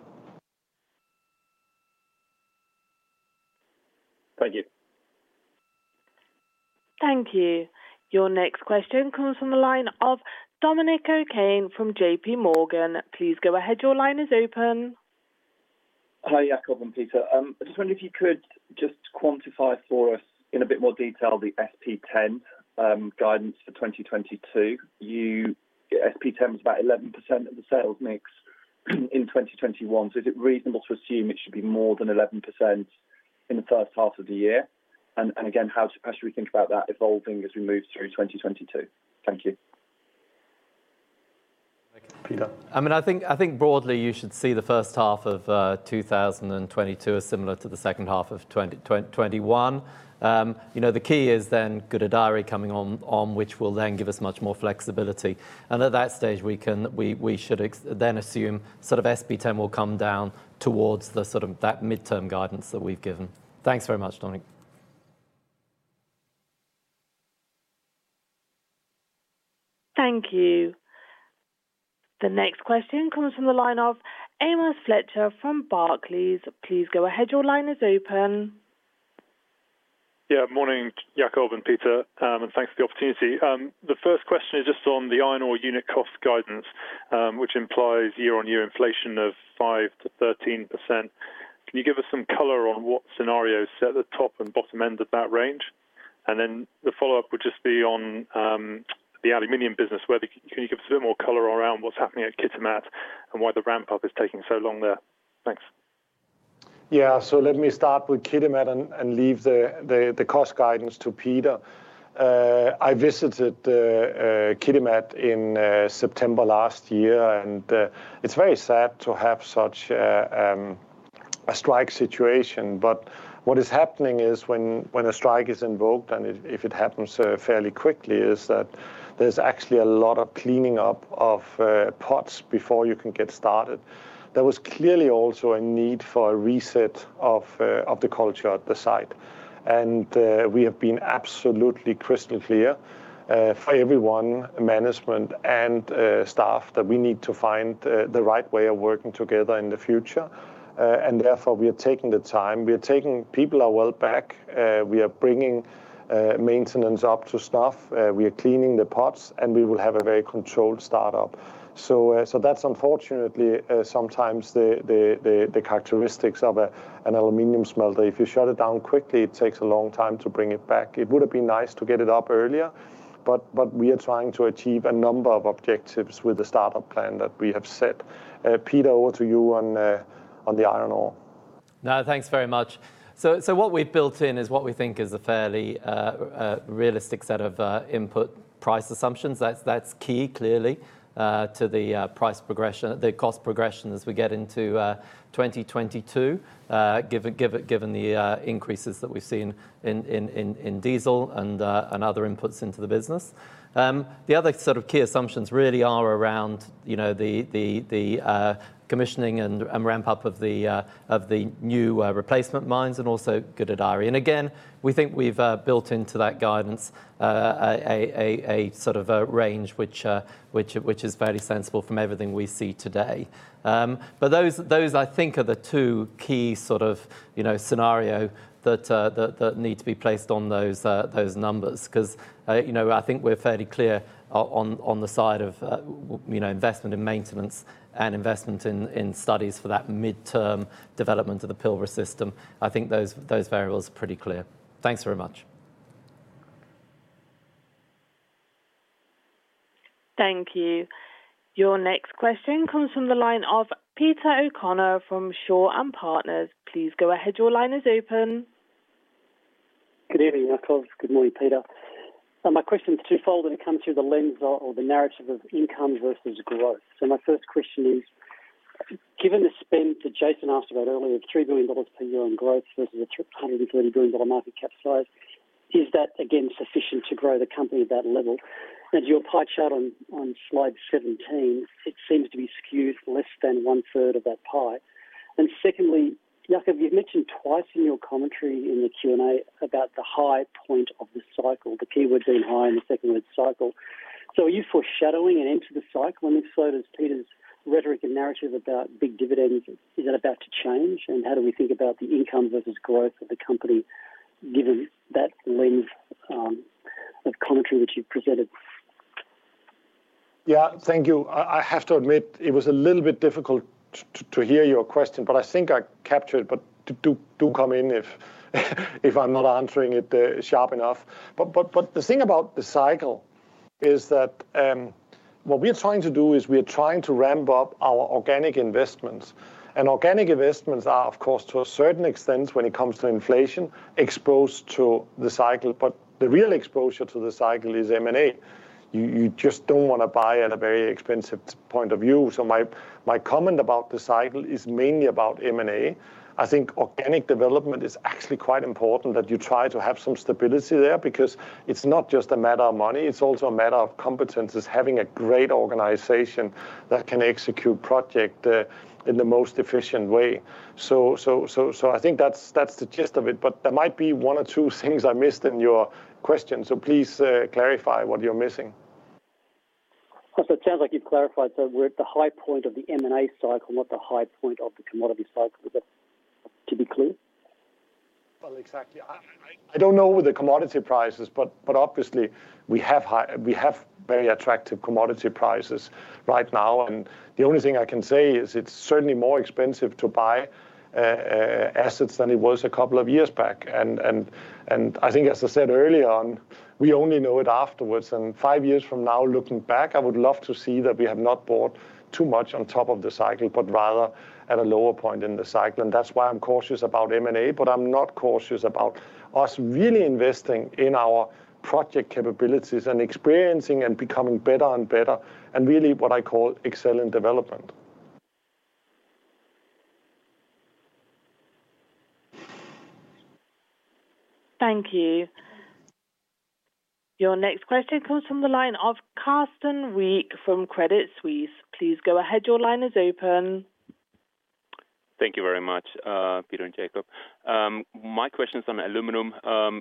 Thank you. Thank you. Your next question comes from the line of Dominic O'Kane from JPMorgan. Please go ahead. Your line is open. Hi, Jakob and Peter. I just wonder if you could just quantify for us in a bit more detail the SP10 guidance for 2022. SP10 is about 11% of the sales mix in 2021. Is it reasonable to assume it should be more than 11% in the first half of the year? Again, how should we think about that evolving as we move through 2022? Thank you. Peter. I mean, I think broadly, you should see the first half of 2022 as similar to the second half of 2021. You know, the key is then Gudai-Darri coming on, which will then give us much more flexibility. At that stage, we should then assume sort of SP10 will come down towards the sort of that midterm guidance that we've given. Thanks very much, Dominic. Thank you. The next question comes from the line of Amos Fletcher from Barclays. Please go ahead. Your line is open. Yeah. Morning, Jakob and Peter, and thanks for the opportunity. The first question is just on the iron ore unit cost guidance, which implies year-on-year inflation of 5%-13%. Can you give us some color on what scenarios set the top and bottom end of that range? The follow-up would just be on the aluminum business, can you give us a bit more color around what's happening at Kitimat and why the ramp up is taking so long there? Thanks. Yeah. Let me start with Kitimat and leave the cost guidance to Peter. I visited Kitimat in September last year, and it's very sad to have such a strike situation. What is happening is when a strike is invoked and if it happens fairly quickly, is that there's actually a lot of cleaning up of pots before you can get started. There was clearly also a need for a reset of the culture at the site. We have been absolutely crystal clear for everyone, management and staff, that we need to find the right way of working together in the future. Therefore we are taking the time. People are well back. We are bringing maintenance up to staff. We are cleaning the pots, and we will have a very controlled startup. That's unfortunately sometimes the characteristics of an aluminum smelter. If you shut it down quickly, it takes a long time to bring it back. It would have been nice to get it up earlier, but we are trying to achieve a number of objectives with the startup plan that we have set. Peter, over to you on the iron ore. No, thanks very much. What we've built in is what we think is a fairly realistic set of input price assumptions. That's key clearly to the price progression, the cost progression as we get into 2022. Given the increases that we've seen in diesel and other inputs into the business. The other sort of key assumptions really are around, you know, the commissioning and ramp up of the new replacement mines and also Gudai-Darri. Again, we think we've built into that guidance a sort of a range which is fairly sensible from everything we see today. Those I think are the two key sort of, you know, scenario that need to be placed on those numbers. 'Cause, you know, I think we're fairly clear on the side of, you know, investment in maintenance and investment in studies for that midterm development of the Pilbara system. I think those variables are pretty clear. Thanks very much. Thank you. Your next question comes from the line of Peter O'Connor from Shaw and Partners. Please go ahead. Your line is open. Good evening, Jakob. Good morning, Peter. My question is twofold, and it comes through the lens or the narrative of income versus growth. My first question is, given the spend that Jason asked about earlier of $3 billion per year on growth versus a $130 billion market cap size, is that again sufficient to grow the company at that level? As your pie chart on slide 17, it seems to be skewed less than one third of that pie. Secondly, Jakob, you've mentioned twice in your commentary in the Q&A about the high point of the cycle, the keyword being high and the second word cycle. Are you foreshadowing an end to the cycle? And if so, does Peter's rhetoric and narrative about big dividends, is that about to change? How do we think about the income versus growth of the company given that lens of commentary which you've presented? Yeah. Thank you. I have to admit it was a little bit difficult to hear your question, but I think I captured it. Do come in if I'm not answering it sharp enough. The thing about the cycle is that what we are trying to do is we are trying to ramp up our organic investments. Organic investments are, of course, to a certain extent when it comes to inflation, exposed to the cycle, but the real exposure to the cycle is M&A. You just don't wanna buy at a very expensive point in the cycle. My comment about the cycle is mainly about M&A. I think organic development is actually quite important that you try to have some stability there because it's not just a matter of money. It's also a matter of competence, is having a great organization that can execute project in the most efficient way. I think that's the gist of it, but there might be one or two things I missed in your question. Please clarify what you're missing. It sounds like you've clarified. We're at the high point of the M&A cycle, not the high point of the commodity cycle. Is that [to be clear?] Well, exactly. I don't know the commodity prices, but obviously we have very attractive commodity prices right now. The only thing I can say is it's certainly more expensive to buy assets than it was a couple of years back. I think as I said early on, we only know it afterwards. Five years from now, looking back, I would love to see that we have not bought too much on top of the cycle, but rather at a lower point in the cycle. That's why I'm cautious about M&A, but I'm not cautious about us really investing in our project capabilities and experiencing and becoming better and better and really what I call excellent development. Thank you. Your next question comes from the line of Carsten Riek from Credit Suisse. Please go ahead. Your line is open. Thank you very much, Peter and Jakob. My question is on aluminum.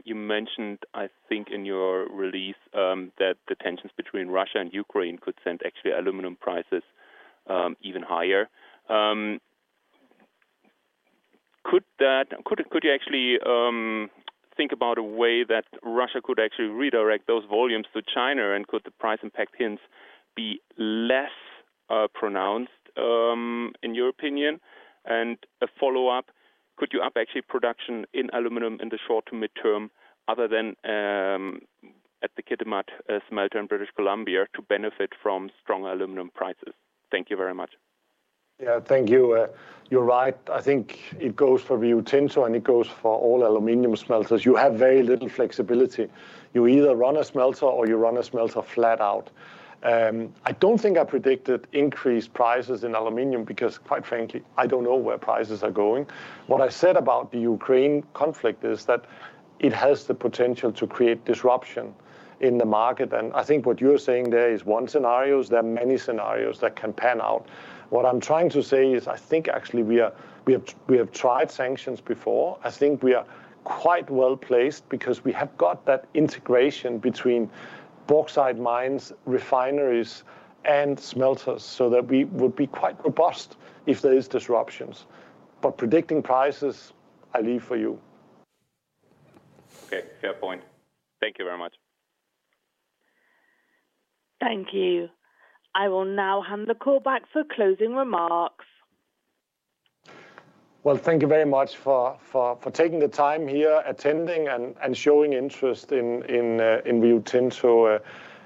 You mentioned, I think in your release, that the tensions between Russia and Ukraine could actually send aluminum prices even higher. Could you actually think about a way that Russia could actually redirect those volumes to China, and could the price impact hence be less pronounced in your opinion? A follow-up, could you actually up production in aluminum in the short to mid-term other than at the Kitimat smelter in British Columbia to benefit from strong aluminum prices? Thank you very much. Yeah. Thank you. You're right. I think it goes for Rio Tinto, and it goes for all aluminum smelters. You have very little flexibility. You either run a smelter or you run a smelter flat out. I don't think I predicted increased prices in aluminum because quite frankly, I don't know where prices are going. What I said about the Ukraine conflict is that it has the potential to create disruption in the market. I think what you're saying there is one scenario. There are many scenarios that can pan out. What I'm trying to say is, I think actually we have tried sanctions before. I think we are quite well-placed because we have got that integration between bauxite mines, refineries, and smelters so that we would be quite robust if there is disruptions. Predicting prices, I leave for you. Okay. Fair point. Thank you very much. Thank you. I will now hand the call back for closing remarks. Well, thank you very much for taking the time here, attending and showing interest in Rio Tinto.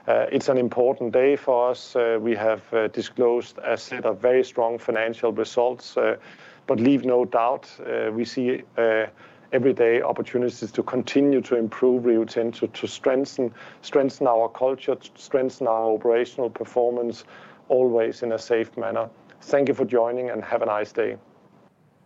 It's an important day for us. We have disclosed a set of very strong financial results, but leave no doubt, we see everyday opportunities to continue to improve Rio Tinto, to strengthen our culture, to strengthen our operational performance, always in a safe manner. Thank you for joining, and have a nice day.